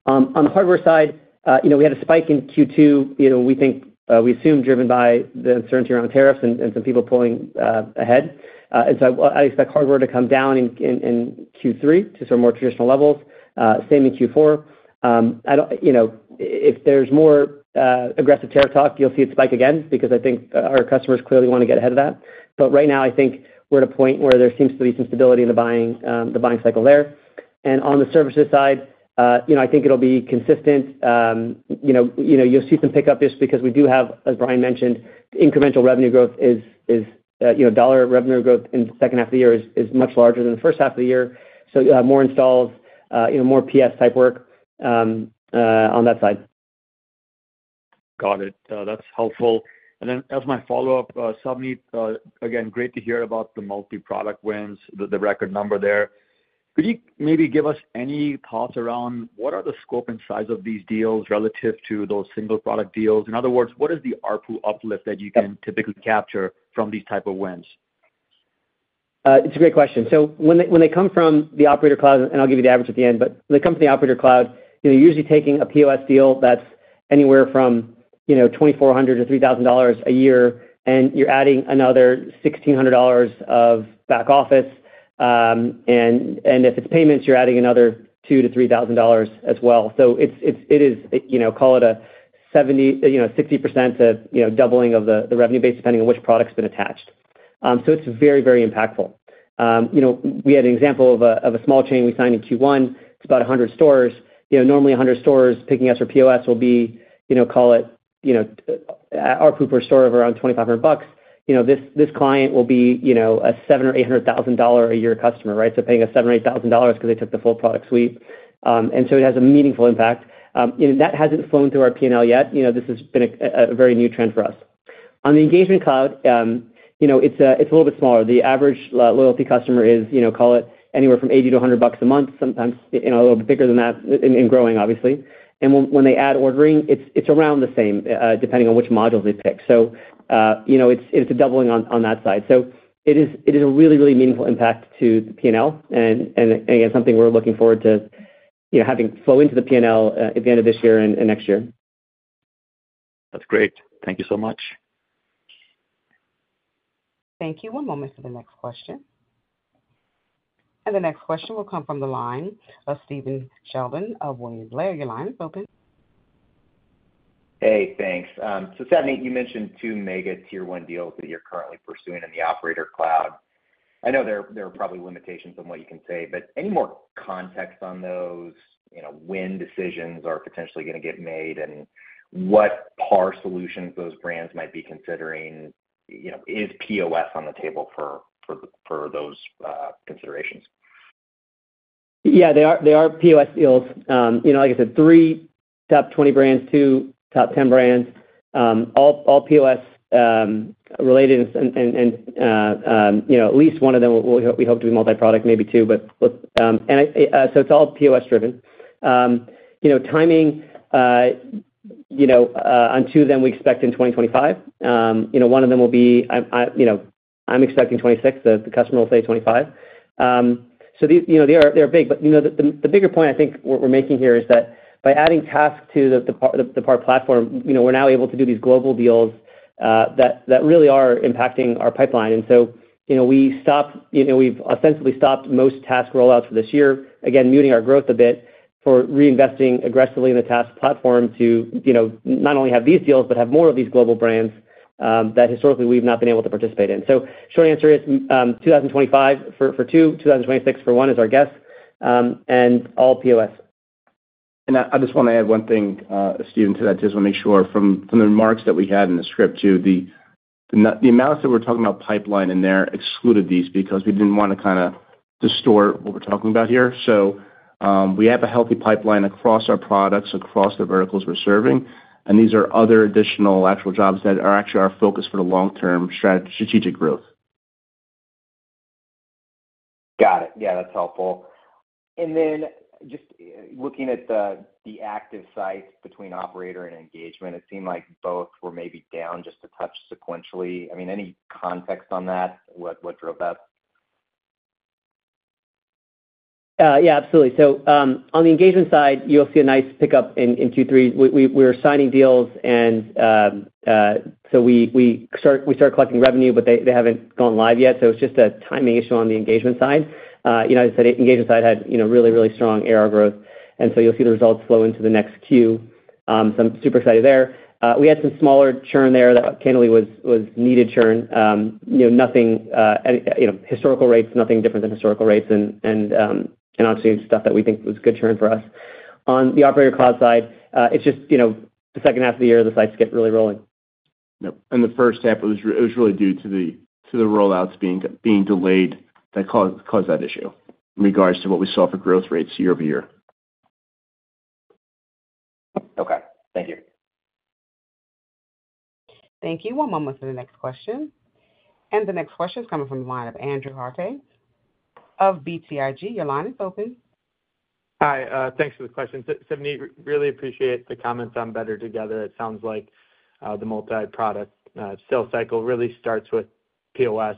On the hardware side, we had a spike in Q2. We think, we assume, driven by the uncertainty around tariffs and some people pulling ahead. I expect hardware to come down in Q3 to sort of more traditional levels, same in Q4. If there's more aggressive tariff talk, you'll see it spike again because I think our customers clearly want to get ahead of that. Right now, I think we're at a point where there seems to be some stability in the buying cycle there. On the services side, I think it'll be consistent. You'll see some pickup just because we do have, as Bryan mentioned, incremental revenue growth is, you know, dollar revenue growth in the second half of the year is much larger than the first half of the year. You'll have more installs, more PS type work on that side. Got it. That's helpful. As my follow-up, Savneet, again, great to hear about the multi-product wins, the record number there. Could you maybe give us any thoughts around what are the scope and size of these deals relative to those single-product deals? In other words, what is the ARPU uplift that you can typically capture from these types of wins? It's a great question. When they come from the Operator Cloud, and I'll give you the average at the end, but the company Operator Cloud, you're usually taking a POS deal that's anywhere from $2,400-$3,000 a year, and you're adding another $1,600 of back office. If it's payments, you're adding another $2,000-$3,000 as well. It is, call it a 70%, 60% to doubling of the revenue base depending on which product's been attached. It is very, very impactful. We had an example of a small chain we signed in Q1. It's about 100 stores. Normally, 100 stores picking us for POS will be, call it, ARPU per store of around $2,500. This client will be a $700,000 or $800,000 a year customer, right? Paying us $700,000 or $800,000 because they took the full product suite. It has a meaningful impact. That hasn't flown through our P&L yet. This has been a very new trend for us. On the Engagement Cloud, it's a little bit smaller. The average loyalty customer is, call it, anywhere from $80-$100 a month, sometimes a little bit bigger than that and growing, obviously. When they add ordering, it's around the same depending on which modules they pick. It's a doubling on that side. It is a really, really meaningful impact to the P&L and, again, something we're looking forward to having flow into the P&L at the end of this year and next year. That's great. Thank you so much. Thank you. One moment for the next question. The next question will come from the line of Stephen Sheldon of William Blair. Your line is open. Hey, thanks. Savneet, you mentioned two mega Tier 1 deals that you're currently pursuing in the Operator Cloud. I know there are probably limitations on what you can say, but any more context on those, when decisions are potentially going to get made and what PAR solutions those brands might be considering, is POS on the table for those considerations? Yeah, they are POS deals. Like I said, three top 20 brands, two top 10 brands, all POS related, and at least one of them we hope to be multi-product, maybe two, but look, it's all POS driven. Timing on two of them we expect in 2025. One of them will be, I'm expecting 2026. The customer will say 2025. These are big, but the bigger point I think we're making here is that by adding TASK to the PAR platform, we're now able to do these global deals that really are impacting our pipeline. We stopped, we've ostensibly stopped most TASK rollouts for this year, again, muting our growth a bit for reinvesting aggressively in the TASK platform to not only have these deals, but have more of these global brands that historically we've not been able to participate in. Short answer is 2025 for two, 2026 for one is our guess, and all POS. I just want to add one thing, Steven, to that. I just want to make sure from the remarks that we had in the script too, the amount that we're talking about pipeline in there excluded these because we didn't want to distort what we're talking about here. We have a healthy pipeline across our products, across the verticals we're serving, and these are other additional actual jobs that are actually our focus for the long-term strategic growth. Got it. Yeah, that's helpful. Just looking at the active sites between Operator Cloud and Engagement Cloud, it seemed like both were maybe down just a touch sequentially. I mean, any context on that? What drove that? Yeah, absolutely. On the engagement side, you'll see a nice pickup in Q3. We were signing deals, and we started collecting revenue, but they haven't gone live yet. It was just a timing issue on the engagement side. As I said, the engagement side had really, really strong ARR growth, and you'll see the results flow into the next Q. I'm super excited there. We had some smaller churn there that, candidly, was needed churn. Nothing different than historical rates, and obviously stuff that we think was good churn for us. On the Operator Cloud side, the second half of the year, the sites get really rolling. In the first half, it was really due to the rollouts being delayed that caused that issue in regards to what we saw for growth rates year-over-year. Okay, thank you. Thank you. One moment for the next question. The next question is coming from the line of Andrew Harte of BTIG. Your line is open. Hi. Thanks for the question. Savneet, really appreciate the comments on Better Together. It sounds like the multi-product sales cycle really starts with POS.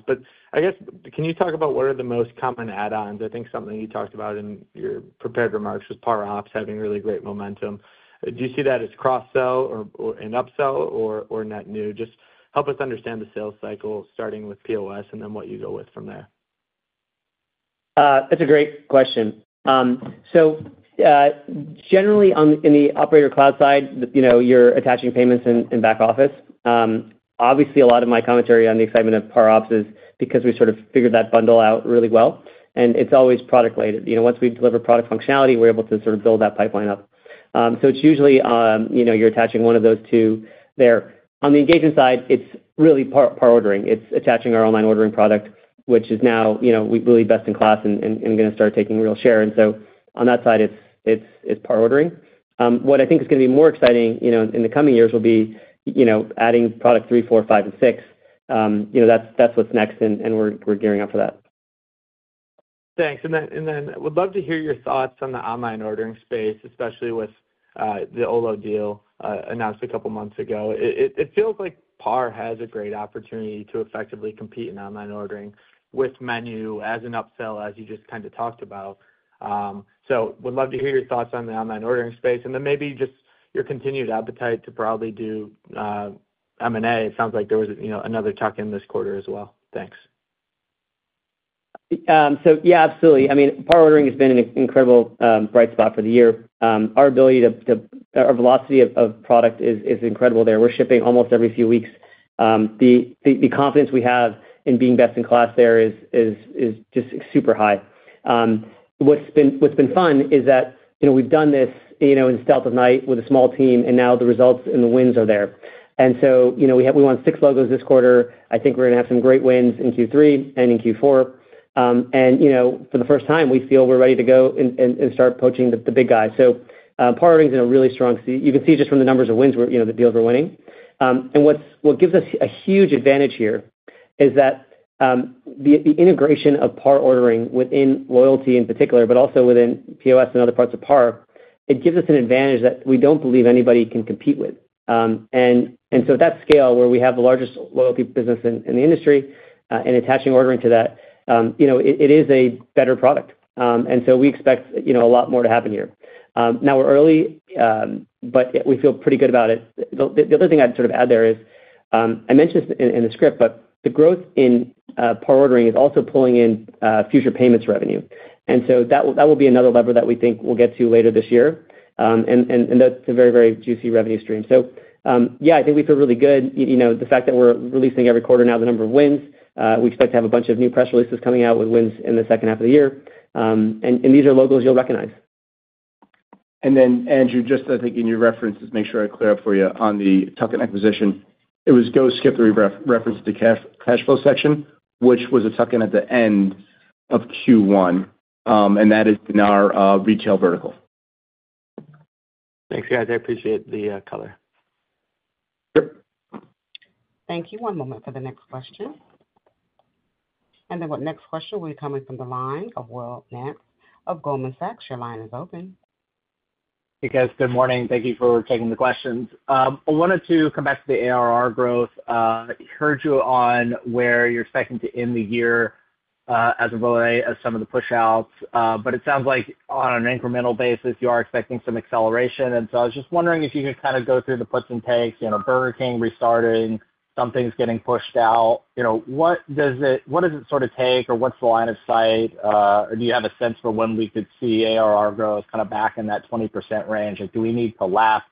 Can you talk about what are the most common add-ons? I think something you talked about in your prepared remarks was PAR OPS having really great momentum. Do you see that as cross-sell and upsell or net new? Just help us understand the sales cycle, starting with POS, and then what you go with from there. That's a great question. Generally, on the Operator Cloud side, you're attaching payments in back office. Obviously, a lot of my commentary on the excitement of PAR OPS is because we sort of figured that bundle out really well. It's always product-related. Once we deliver product functionality, we're able to sort of build that pipeline up. It's usually you're attaching one of those two there. On the engagement side, it's really PAR ordering. It's attaching our Online Ordering product, which is now, we believe, best in class and going to start taking real share. On that side, it's PAR ordering. What I think is going to be more exciting in the coming years will be adding product three, four, five, and six. That's what's next, and we're gearing up for that. Thanks. I would love to hear your thoughts on the Online Ordering space, especially with the Olo deal announced a couple of months ago. It feels like PAR has a great opportunity to effectively compete in Online Ordering with menu as an upsell, as you just talked about. I would love to hear your thoughts on the Online Ordering space, and maybe just your continued appetite to probably do M&A. It sounds like there was another tuck-in this quarter as well. Thanks. Absolutely. I mean, PAR ordering has been an incredible bright spot for the year. Our ability to, our velocity of product is incredible there. We're shipping almost every few weeks. The confidence we have in being best in class there is just super high. What's been fun is that we've done this in the stealth of night with a small team, and now the results and the wins are there. We won six logos this quarter. I think we're going to have some great wins in Q3 and in Q4. For the first time, we feel we're ready to go and start poaching the big guys. PAR ordering's been really strong. You can see just from the numbers of wins, the deals we're winning. What gives us a huge advantage here is that the integration of PAR ordering within loyalty in particular, but also within POS and other parts of PAR, gives us an advantage that we don't believe anybody can compete with. At that scale where we have the largest loyalty business in the industry and attaching ordering to that, it is a better product. We expect a lot more to happen here. Now we're early, but we feel pretty good about it. The other thing I'd sort of add there is I mentioned this in the script, but the growth in PAR ordering is also pulling in future payments revenue. That will be another lever that we think we'll get to later this year. That's a very, very juicy revenue stream. I think we feel really good. The fact that we're releasing every quarter now the number of wins, we expect to have a bunch of new press releases coming out with wins in the second half of the year. These are logos you'll recognize. I think in your references, make sure I clear up for you on the tuck-in acquisition. It was Go Skip that we referenced in the cash flow section, which was a tuck-in at the end of Q1. That is in our retail vertical. Thanks, guys. I appreciate the color. Thank you. One moment for the next question. The next question will be coming from the line of Will Nance of Goldman Sachs. Your line is open. Hey, guys. Good morning. Thank you for taking the questions. I wanted to come back to the ARR growth. I heard you on where you're expecting to end the year as of early as some of the push-outs. It sounds like on an incremental basis, you are expecting some acceleration. I was just wondering if you could kind of go through the puts and takes. You know, Burger King restarting, some things getting pushed out. What does it sort of take or what's the line of sight? Do you have a sense for when we could see ARR growth kind of back in that 20% range? Do we need to last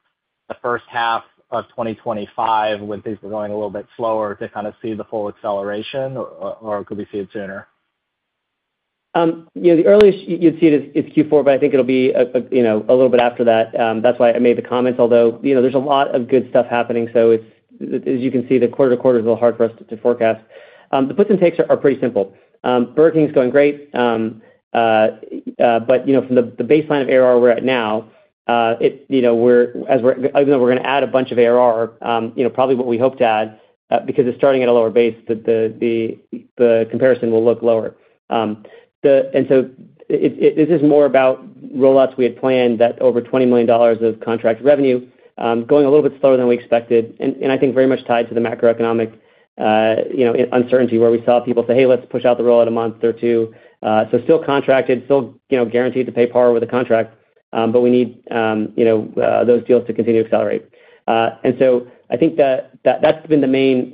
the first half of 2025 when things are going a little bit slower to kind of see the full acceleration or could we see it sooner? The earliest you'd see it is Q4, but I think it'll be a little bit after that. That's why I made the comments, although there's a lot of good stuff happening. As you can see, the quarter to quarter is a little hard for us to forecast. The puts and takes are pretty simple. Burger King's going great. From the baseline of ARR we're at now, even though we're going to add a bunch of ARR, probably what we hope to add, because it's starting at a lower base, the comparison will look lower. This is more about rollouts we had planned that are over $20 million of contract revenue going a little bit slower than we expected. I think very much tied to the macroeconomic uncertainty where we saw people say, "Hey, let's push out the rollout a month or two." Still contracted, still guaranteed to pay PAR with a contract, but we need those deals to continue to accelerate. I think that's been the main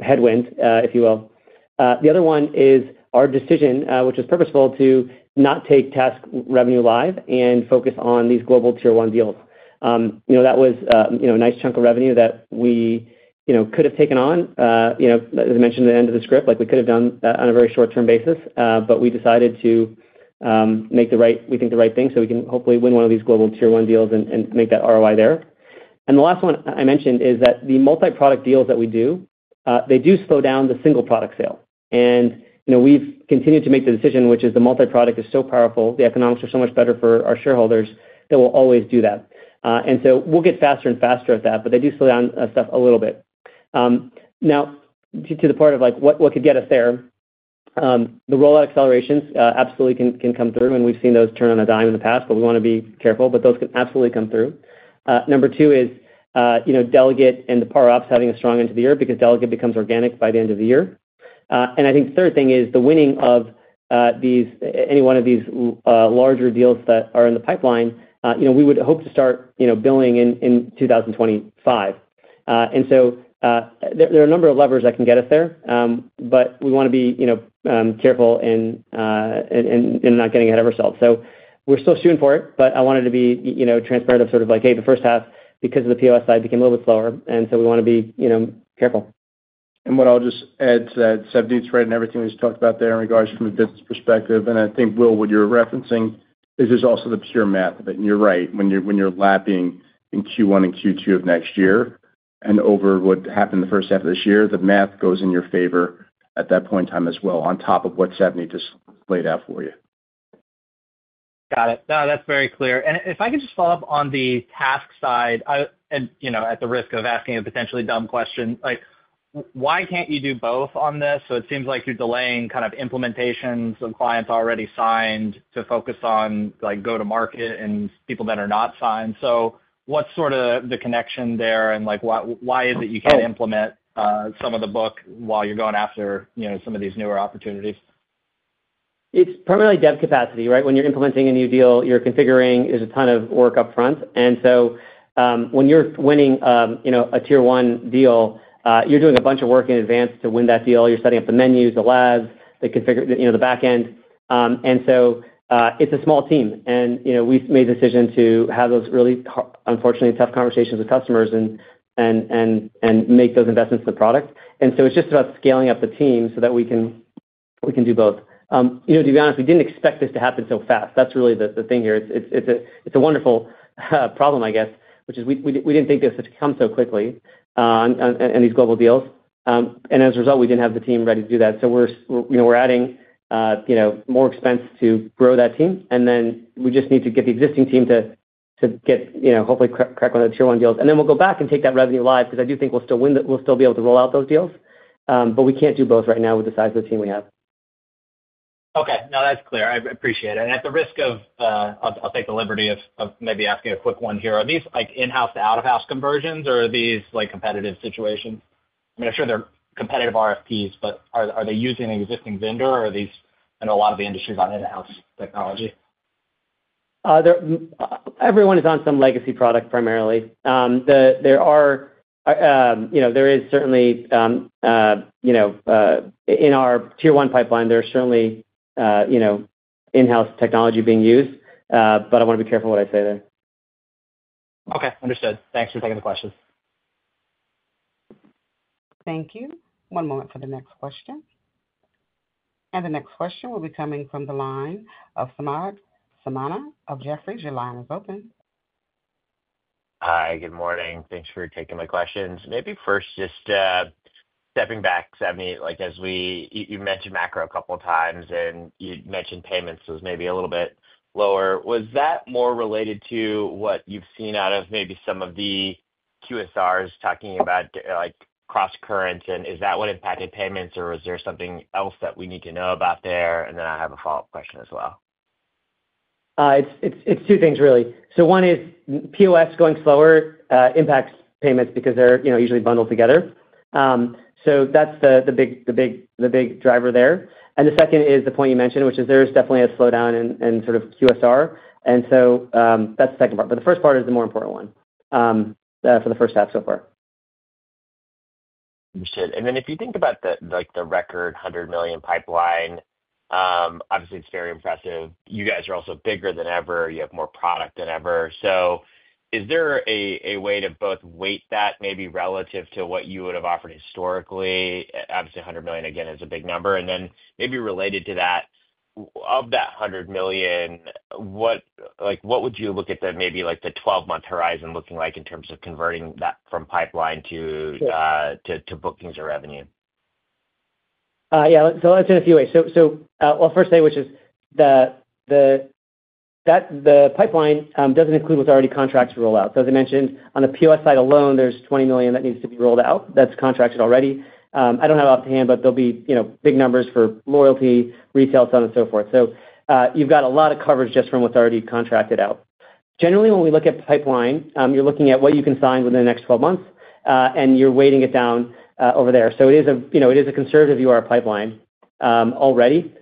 headwind, if you will. The other one is our decision, which was purposeful, to not take TASK revenue live and focus on these global Tier 1 deals. That was a nice chunk of revenue that we could have taken on. As I mentioned at the end of the script, we could have done on a very short-term basis, but we decided to make what we think is the right thing so we can hopefully win one of these global Tier 1 deals and make that ROI there. The last one I mentioned is that the multi-product deals that we do, they do slow down the single product sale. We've continued to make the decision, which is the multi-product is so powerful, the economics are so much better for our shareholders that we'll always do that. We'll get faster and faster at that, but they do slow down stuff a little bit. Now, to the part of what could get us there, the rollout accelerations absolutely can come through, and we've seen those turn on a dime in the past. We want to be careful, but those can absolutely come through. Number two is delegate and the PAR ops having a strong end to the year because delegate becomes organic by the end of the year. I think the third thing is the winning of any one of these larger deals that are in the pipeline. We would hope to start billing in 2025. There are a number of levers that can get us there, but we want to be careful in not getting ahead of ourselves. We're still shooting for it, but I wanted to be transparent of sort of like, hey, the first half, because of the POS side, became a little bit slower, and we want to be careful. What I'll just add to that, Savneet, spreading everything we just talked about there in regards from a business perspective, and I think, Will, what you're referencing is there's also the pure math of it, and you're right, when you're lapping in Q1 and Q2 of next year and over what happened in the first half of this year, the math goes in your favor at that point in time as well, on top of what Savneet just laid out for you. Got it. No, that's very clear. If I could just follow up on the TASK side, at the risk of asking a potentially dumb question, why can't you do both on this? It seems like you're delaying kind of implementations. Some clients already signed to focus on go-to-market and people that are not signed. What's sort of the connection there and why is it you can't implement some of the book while you're going after some of these newer opportunities? It's primarily dev capacity, right? When you're implementing a new deal, you're configuring, there's a ton of work up front. When you're winning, you know, a Tier 1 deal, you're doing a bunch of work in advance to win that deal. You're setting up the menus, the labs, the configure, you know, the backend. It's a small team. We made a decision to have those really, unfortunately, tough conversations with customers and make those investments in the product. It's just about scaling up the team so that we can do both. To be honest, we didn't expect this to happen so fast. That's really the thing here. It's a wonderful problem, I guess, which is we didn't think this would come so quickly on these global deals. As a result, we didn't have the team ready to do that. We're adding, you know, more expense to grow that team. We just need to get the existing team to get, you know, hopefully crack one of the Tier 1 deals. We'll go back and take that revenue live because I do think we'll still win, we'll still be able to roll out those deals. We can't do both right now with the size of the team we have. Okay, that's clear. I appreciate it. At the risk of, I'll take the liberty of maybe asking a quick one here. Are these like in-house to out-of-house conversions, or are these like competitive situations? I'm sure they're competitive RFPs, but are they using an existing vendor, or are these, I know a lot of the industry is on in-house technology? Everyone is on some legacy product primarily. There are, you know, there is certainly, you know, in our Tier 1 pipeline, there's certainly, you know, in-house technology being used, but I want to be careful what I say there. Okay. Understood. Thanks for taking the questions. Thank you. One moment for the next question. The next question will be coming from the line of Samad Samana of Jefferies. Your line is open. Hi. Good morning. Thanks for taking my questions. Maybe first just stepping back, Savneet, as you mentioned macro a couple of times, and you mentioned payments was maybe a little bit lower. Was that more related to what you've seen out of maybe some of the QSRs talking about cross-current, and is that what impacted payments, or is there something else that we need to know about there? I have a follow-up question as well. It's two things, really. One is POS going slower impacts payments because they're usually bundled together. That's the big driver there. The second is the point you mentioned, which is there is definitely a slowdown in sort of QSR. That's the second part, but the first part is the more important one for the first half so far. Understood. If you think about the record $100 million pipeline, obviously, it's very impressive. You guys are also bigger than ever. You have more product than ever. Is there a way to both weight that maybe relative to what you would have offered historically? Obviously, $100 million, again, is a big number. Maybe related to that, of that $100 million, what would you look at the maybe like the 12-month horizon looking like in terms of converting that from pipeline to bookings or revenue? I'll answer in a few ways. The first thing, which is the pipeline doesn't include what's already contracted to roll out. As I mentioned, on the POS side alone, there's $20 million that needs to be rolled out that's contracted already. I don't have offhand, but there'll be big numbers for loyalty, retails, and so forth. You've got a lot of coverage just from what's already contracted out. Generally, when we look at pipeline, you're looking at what you can sign within the next 12 months, and you're weighting it down over there. It is a conservative view of our pipeline already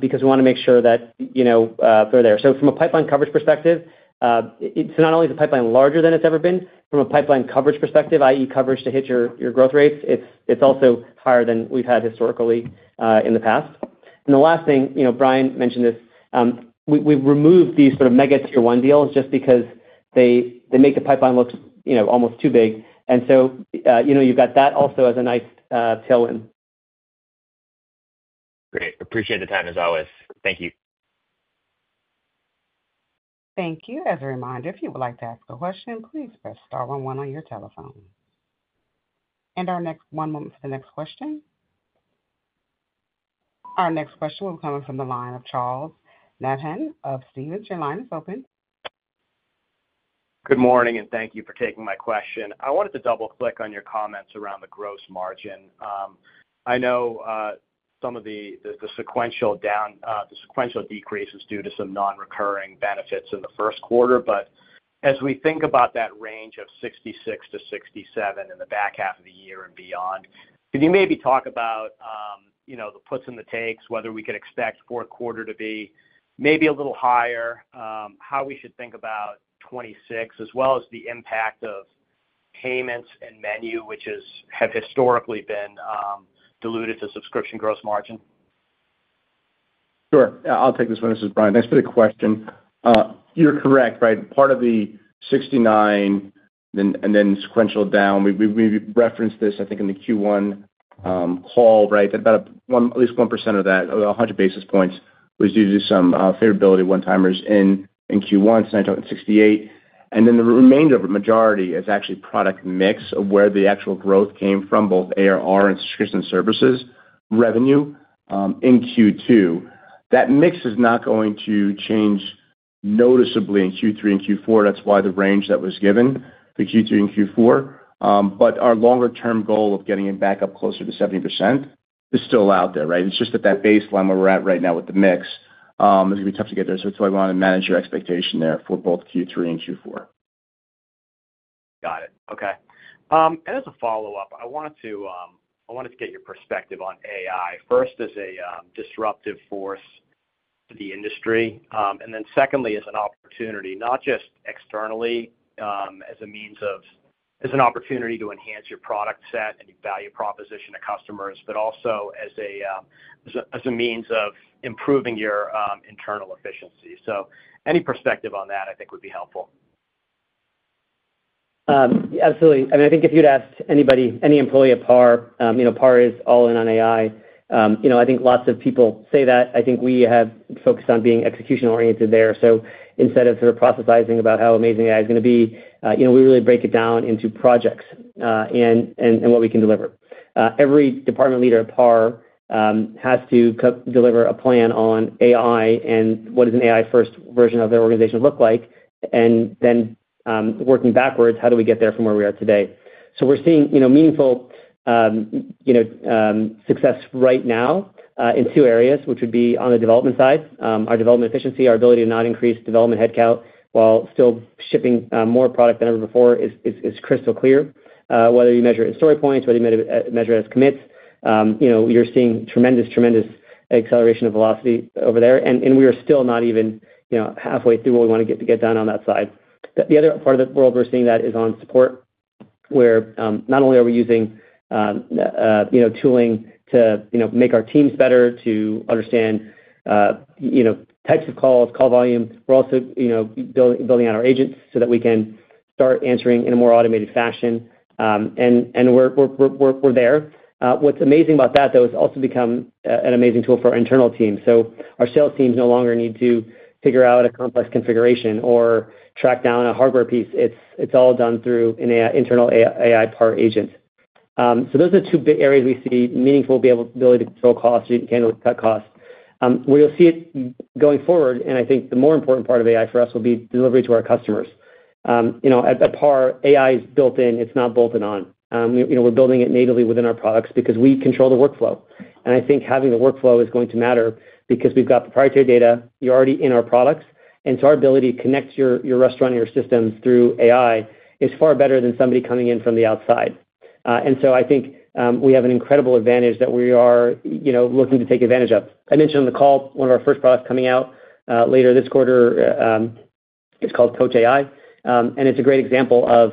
because we want to make sure that we're there. From a pipeline coverage perspective, not only is the pipeline larger than it's ever been, from a pipeline coverage perspective, i.e., coverage to hit your growth rates, it's also higher than we've had historically in the past. The last thing, Bryan mentioned this, we've removed these sort of mega Tier 1 deals just because they make the pipeline look almost too big. You've got that also as a nice tailwind. Great. Appreciate the time as always. Thank you. Thank you. As a reminder, if you would like to ask a question, please press star one one on your telephone. Please hold one moment for the next question. Our next question will be coming from the line of Charles Nabhan of Stevens. Your line is open. Good morning, and thank you for taking my question. I wanted to double-click on your comments around the gross margin. I know some of the sequential decreases are due to some non-recurring benefits in the first quarter, but as we think about that range of 66%-67% in the back half of the year and beyond, can you maybe talk about the puts and the takes, whether we can expect fourth quarter to be maybe a little higher, how we should think about 2026, as well as the impact of payments and menu, which have historically been dilutive to subscription gross margin? Sure. Yeah, I'll take this one. This is Bryan. Nice bit of question. You're correct, right? Part of the 69% and then sequential down, we referenced this, I think, in the Q1 call, right, that about at least 1% of that, 100 basis points, was due to some favorability one-timers in Q1. I talked in 68%. The remainder of the majority is actually product mix of where the actual growth came from, both ARR and subscription services revenue in Q2. That mix is not going to change noticeably in Q3 and Q4. That's why the range that was given for Q3 and Q4. Our longer-term goal of getting it back up closer to 70% is still out there, right? It's just that that baseline where we're at right now with the mix is going to be tough to get there. That's why we want to manage your expectation there for both Q3 and Q4. Got it. Okay. As a follow-up, I wanted to get your perspective on AI first as a disruptive force to the industry, and then secondly as an opportunity, not just externally as a means of, as an opportunity to enhance your product set and your value proposition to customers, but also as a means of improving your internal efficiency. Any perspective on that, I think, would be helpful. Absolutely. I mean, I think if you'd asked anybody, any employee at PAR, you know, PAR is all in on AI. I think lots of people say that. I think we have focused on being execution-oriented there. Instead of sort of proselytizing about how amazing AI is going to be, we really break it down into projects and what we can deliver. Every department leader at PAR has to deliver a plan on AI and what does an AI-first version of their organization look like, and then working backwards, how do we get there from where we are today? We're seeing meaningful success right now in two areas, which would be on the development side. Our development efficiency, our ability to not increase development headcount while still shipping more product than ever before is crystal clear. Whether you measure it as story points, whether you measure it as commits, you're seeing tremendous acceleration of velocity over there. We are still not even halfway through what we want to get done on that side. The other part of the world we're seeing that is on support, where not only are we using tooling to make our teams better, to understand types of calls, call volume, we're also building out our agents so that we can start answering in a more automated fashion. We're there. What's amazing about that, though, is it's also become an amazing tool for our internal team. Our sales teams no longer need to figure out a complex configuration or track down a hardware piece. It's all done through an internal AI PAR agent. Those are the two big areas we see meaningful ability to control costs and cut costs. Where you'll see it going forward, and I think the more important part of AI for us will be delivery to our customers. At PAR, AI is built in. It's not bolted on. We're building it natively within our products because we control the workflow. I think having the workflow is going to matter because we've got proprietary data. You're already in our products. Our ability to connect your restaurant and your systems through AI is far better than somebody coming in from the outside. I think we have an incredible advantage that we are looking to take advantage of. I mentioned on the call one of our first products coming out later this quarter. It's called Couch AI. It's a great example of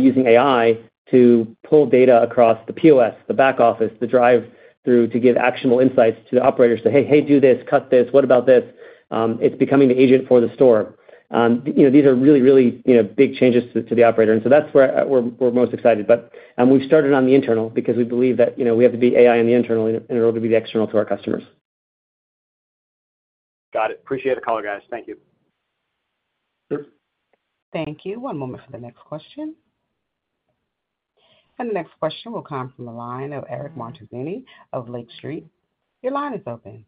using AI to pull data across the POS, the back office, the drive-through to give actionable insights to the operators. Hey, hey, do this, cut this, what about this? It's becoming the agent for the store. These are really, really big changes to the operator. That's where we're most excited. We've started on the internal because we believe that we have to be AI on the internal in order to be the external to our customers. Got it. Appreciate the call, guys. Thank you. Thank you. One moment for the next question. The next question will come from the line of Eric Martinuzzi of Lake Street. Your line is open.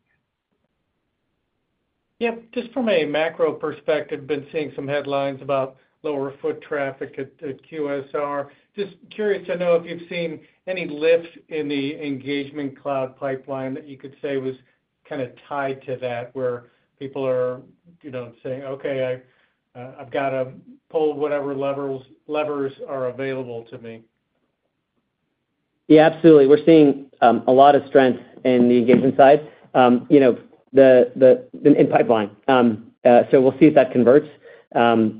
Yeah, just from a macro perspective, I've been seeing some headlines about lower foot traffic at QSR. Just curious to know if you've seen any lifts in the Engagement Cloud pipeline that you could say was kind of tied to that where people are, you know, saying, okay, I've got to pull whatever levers are available to me. Yeah, absolutely. We're seeing a lot of strength in the engagement side, you know, in the pipeline. We'll see if that converts.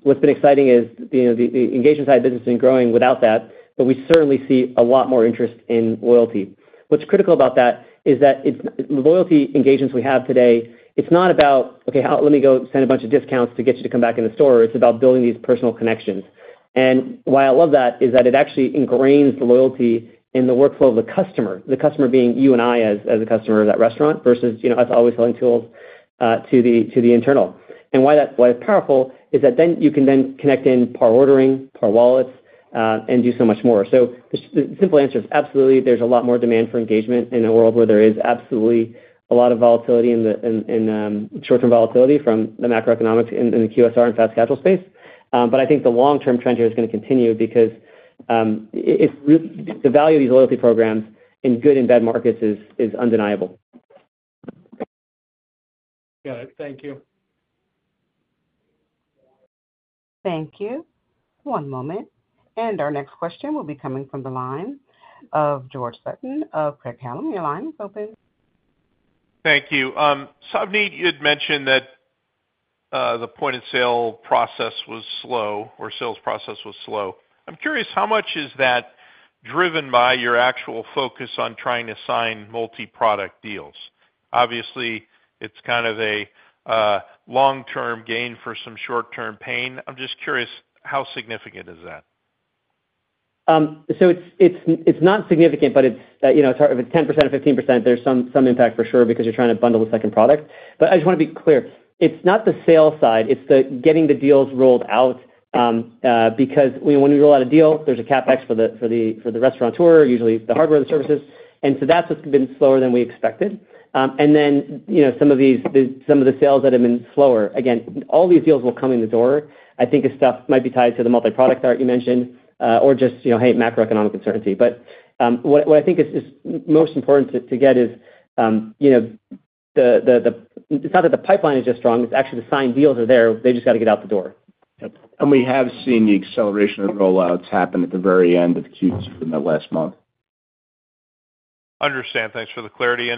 What's been exciting is, you know, the engagement side business has been growing without that, but we certainly see a lot more interest in loyalty. What's critical about that is that loyalty engagements we have today, it's not about, okay, let me go send a bunch of discounts to get you to come back in the store. It's about building these personal connections. Why I love that is that it actually ingrains the loyalty in the workflow of the customer, the customer being you and I as a customer of that restaurant versus, you know, us always selling tools to the internal. Why that's powerful is that then you can then connect in PAR ordering, PAR wallets, and do so much more. The simple answer is absolutely, there's a lot more demand for engagement in a world where there is absolutely a lot of volatility in short-term volatility from the macroeconomics in the QSR and fast cash flow space. I think the long-term trend here is going to continue because the value of these loyalty programs in good and bad markets is undeniable. Got it. Thank you. Thank you. One moment. Our next question will be coming from the line of George Sutton of Credit Panel. Your line is open. Thank you. Savneet, you had mentioned that the point-of-sale process was slow or sales process was slow. I'm curious, how much is that driven by your actual focus on trying to sign multi-product deals? Obviously, it's kind of a long-term gain for some short-term pain. I'm just curious, how significant is that? It is not significant, but if it's 10% or 15%, there's some impact for sure because you're trying to bundle the second product. I just want to be clear, it's not the sales side. It's getting the deals rolled out because when we roll out a deal, there's a CapEx for the restaurateur, usually the hardware or the services. That's what's been slower than we expected. Some of the sales that have been slower, again, all these deals will come in the door. I think the stuff might be tied to the multi-product adoption you mentioned or just, you know, macroeconomic uncertainty. What I think is most important to get is it's not that the pipeline is just strong. It's actually the signed deals are there. They just got to get out the door. We have seen the acceleration of rollouts happen at the very end of Q2 in the last month. Understand. Thanks for the clarity.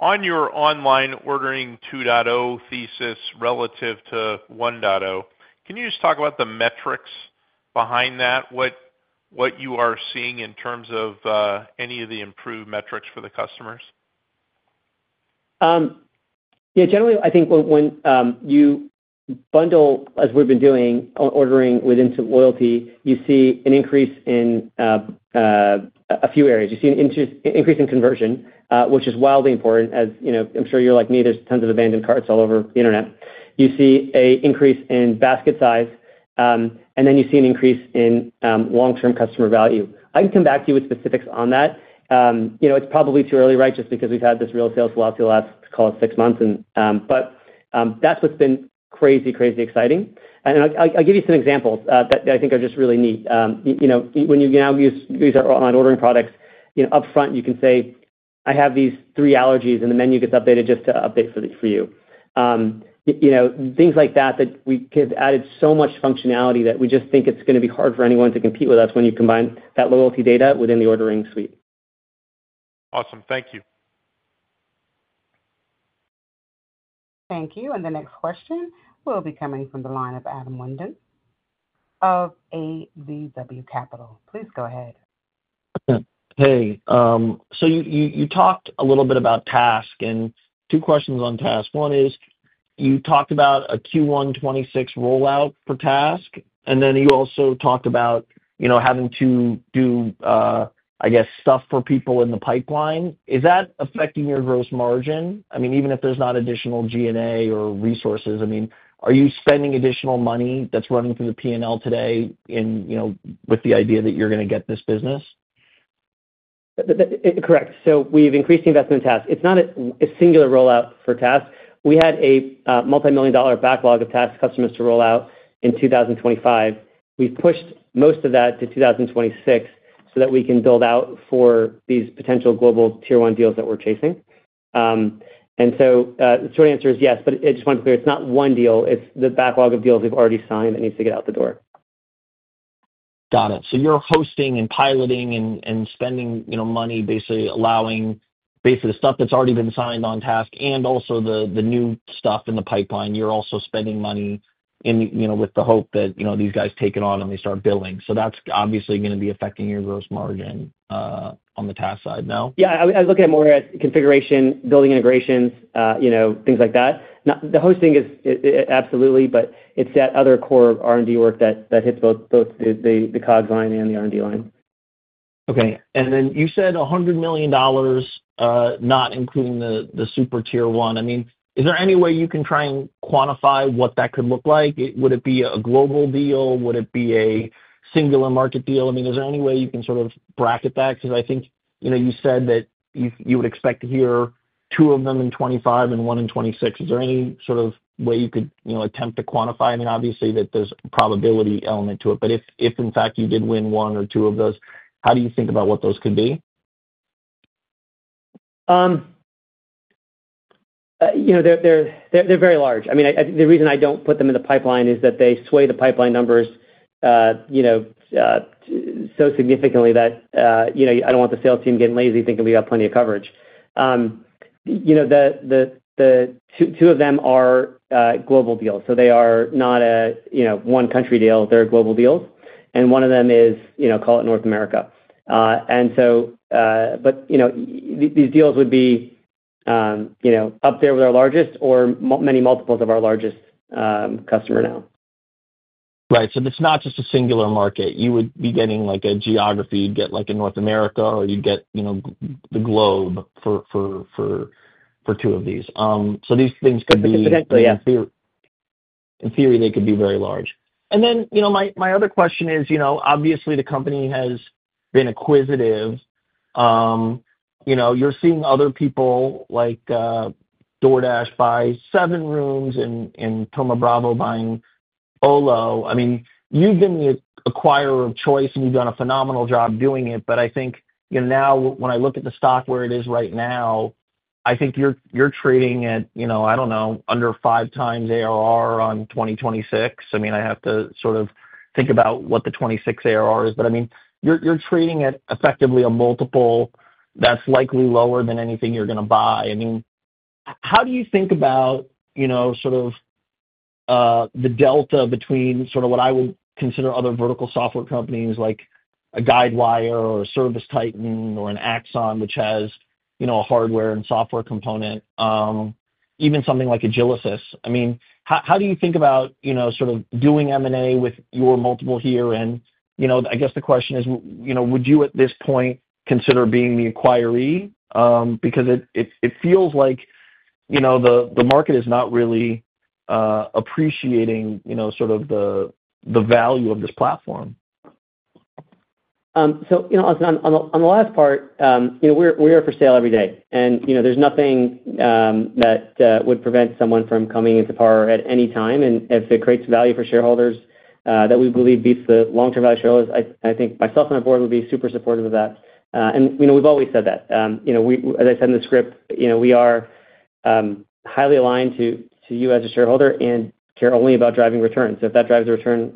On your Online Ordering 2.0 thesis relative to 1.0, can you just talk about the metrics behind that? What you are seeing in terms of any of the improved metrics for the customers? Yeah, generally, I think when you bundle, as we've been doing on ordering within some loyalty, you see an increase in a few areas. You see an increase in conversion, which is wildly important. As you know, I'm sure you're like me, there's tons of abandoned carts all over the internet. You see an increase in basket size, and then you see an increase in long-term customer value. I can come back to you with specifics on that. It's probably too early, right? Just because we've had this real sales philosophy the last, let's call it six months. That's what's been crazy, crazy exciting. I'll give you some examples that I think are just really neat. When you now use our Online Ordering products, upfront, you can say, I have these three allergies, and the menu gets updated just to update for you. Things like that that we have added so much functionality that we just think it's going to be hard for anyone to compete with us when you combine that loyalty data within the ordering suite. Awesome. Thank you. Thank you. The next question will be coming from the line of Adam Wyden of ABW Capital. Please go ahead. Hey. You talked a little bit about TASK and two questions on TASK. One is you talked about a Q1 2026 rollout for TASK, and then you also talked about, you know, having to do, I guess, stuff for people in the pipeline. Is that affecting your gross margin? I mean, even if there's not additional G&A or resources, I mean, are you spending additional money that's running through the P&L today with the idea that you're going to get this business? Correct. We've increased the investment in TASK. It's not a singular rollout for TASK. We had a multimillion-dollar backlog of TASK customers to roll out in 2025. We've pushed most of that to 2026 so that we can build out for these potential global Tier 1 deals that we're chasing. The short answer is yes, but I just want to be clear, it's not one deal. It's the backlog of deals we've already signed that needs to get out the door. Got it. You're hosting and piloting and spending money basically allowing the stuff that's already been signed on TASK and also the new stuff in the pipeline. You're also spending money with the hope that these guys take it on and they start building. That's obviously going to be affecting your gross margin on the TASK side now? Yeah, I look at more at configuration, building integrations, you know, things like that. The hosting is absolutely, but it's that other core R&D work that hits both the COGS line and the R&D line. Okay. You said $100 million, not including the super Tier 1. Is there any way you can try and quantify what that could look like? Would it be a global deal? Would it be a singular market deal? Is there any way you can sort of bracket that? I think you said that you would expect to hear two of them in 2025 and one in 2026. Is there any sort of way you could attempt to quantify? Obviously, there's a probability element to it. If, in fact, you did win one or two of those, how do you think about what those could be? They're very large. The reason I don't put them in the pipeline is that they sway the pipeline numbers so significantly that I don't want the sales team getting lazy thinking we have plenty of coverage. The two of them are global deals. They are not a one country deal. They're a global deal. One of them is, call it North America. These deals would be up there with our largest or many multiples of our largest customer now. Right. It's not just a singular market. You would be getting like a geography, you'd get like a North America, or you'd get, you know, the globe for two of these. These things could be, in theory, they could be very large. My other question is, obviously, the company has been acquisitive. You're seeing other people like DoorDash buy SevenRooms and Thoma Bravo buying Olo. You've been the acquirer of choice, and you've done a phenomenal job doing it. I think, now when I look at the stock where it is right now, I think you're trading at, I don't know, under 5x ARR on 2026. I have to sort of think about what the 2026 ARR is. You're trading at effectively a multiple that's likely lower than anything you're going to buy. How do you think about the delta between what I would consider other vertical software companies like a Guidewire or a ServiceTitan or an Axon, which has a hardware and software component, even something like Agilysys? How do you think about doing M&A with your multiple here? I guess the question is, would you at this point consider being the acquirer? It feels like the market is not really appreciating the value of this platform. On the last part, we are for sale every day. There is nothing that would prevent someone from coming into PAR at any time. If it creates value for shareholders that we believe beats the long-term value of shareholders, I think myself and my Board would be super supportive of that. We've always said that. As I said in the script, we are highly aligned to you as a shareholder and care only about driving return. If that drives a return,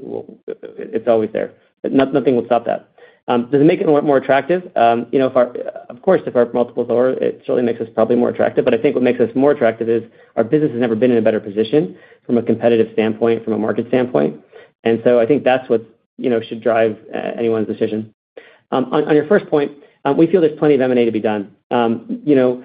it's always there. Nothing will stop that. Does it make it more attractive? Of course, if our multiples lower, it surely makes us probably more attractive. I think what makes us more attractive is our business has never been in a better position from a competitive standpoint, from a market standpoint. I think that's what should drive anyone's decision. On your first point, we feel there's plenty of M&A to be done. Comparing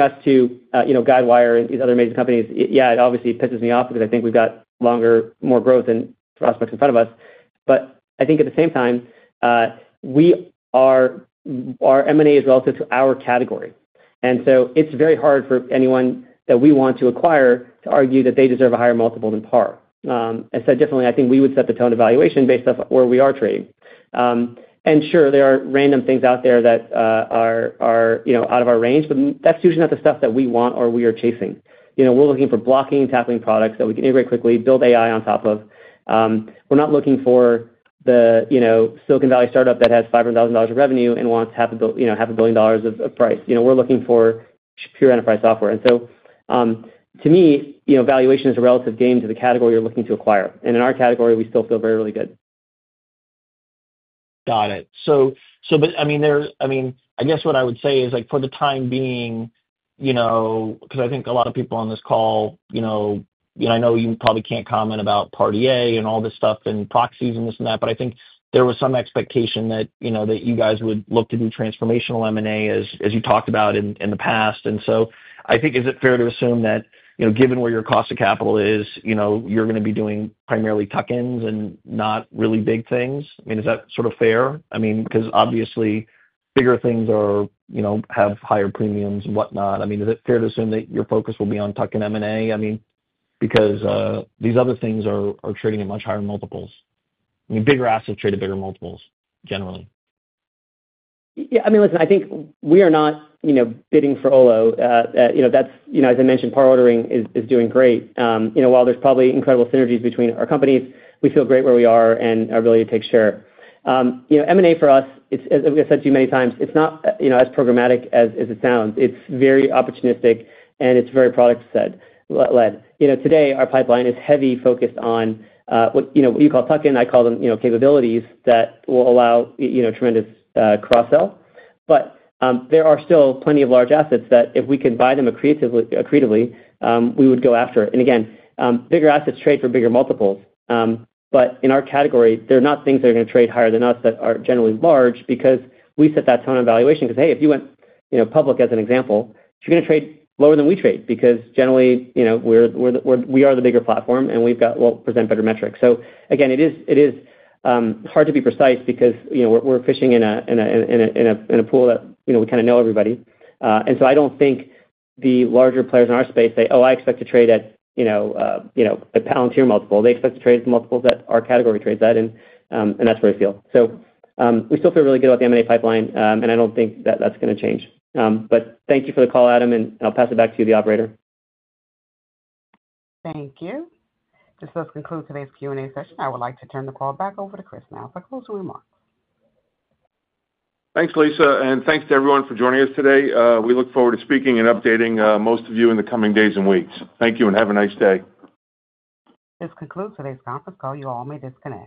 us to Guidewire and these other amazing companies, yeah, it obviously pisses me off because I think we've got longer, more growth and prospects in front of us. At the same time, our M&A is relative to our category. It's very hard for anyone that we want to acquire to argue that they deserve a higher multiple than PAR. I said definitely, I think we would set the tone of evaluation based off where we are trading. Sure, there are random things out there that are out of our range, but that's usually not the stuff that we want or we are chasing. We're looking for blocking and tackling products that we can integrate quickly, build AI on top of. We're not looking for the Silicon Valley startup that has $500,000 of revenue and wants $0.5 billion of price. We're looking for pure enterprise software. To me, valuation is a relative game to the category you're looking to acquire. In our category, we still feel very, really good. Got it. I guess what I would say is like for the time being, you know, because I think a lot of people on this call, you know. I know you probably can't comment about Party A and all this stuff and proxies and this and that, but I think there was some expectation that you guys would look to do transformational M&A as you talked about in the past. I think, is it fair to assume that, given where your cost of capital is, you're going to be doing primarily tuck-ins and not really big things? I mean, is that sort of fair? I mean, because obviously bigger things have higher premiums and whatnot. Is it fair to assume that your focus will be on tuck-in M&A? I mean, because these other things are trading at much higher multiples. Bigger assets trade at bigger multiples generally. Yeah, I mean, listen, I think we are not, you know, bidding for Olo. You know, that's, you know, as I mentioned, PAR ordering is doing great. While there's probably incredible synergies between our companies, we feel great where we are and our ability to take share. M&A for us, it's, as I've said to you many times, it's not, you know, as programmatic as it sounds. It's very opportunistic and it's very product-led. Today our pipeline is heavy focused on what, you know, what you call tuck-in, I call them, you know, capabilities that will allow, you know, tremendous cross-sell. There are still plenty of large assets that if we can buy them accretively, we would go after. Again, bigger assets trade for bigger multiples. In our category, they're not things that are going to trade higher than us that are generally large because we set that tone of valuation. Because, hey, if you went, you know, public as an example, you're going to trade lower than we trade. Because generally, you know, we're, we are the bigger platform and we've got what will present better metrics. Again, it is hard to be precise because, you know, we're fishing in a pool that, you know, we kind of know everybody. I don't think the larger players in our space say, oh, I expect to trade at, you know, you know, a Palantir multiple. They expect to trade at multiples that our category trades at. That's where we feel. We still feel really good about the M&A pipeline. I don't think that that's going to change. Thank you for the call, Adam, and I'll pass it back to you, the operator. Thank you. Let's conclude today's Q&A session. I would like to turn the call back over to Chris now for closing remarks. Thanks, Lisa, and thanks to everyone for joining us today. We look forward to speaking and updating most of you in the coming days and weeks. Thank you and have a nice day. This concludes today's conference call. You all may disconnect.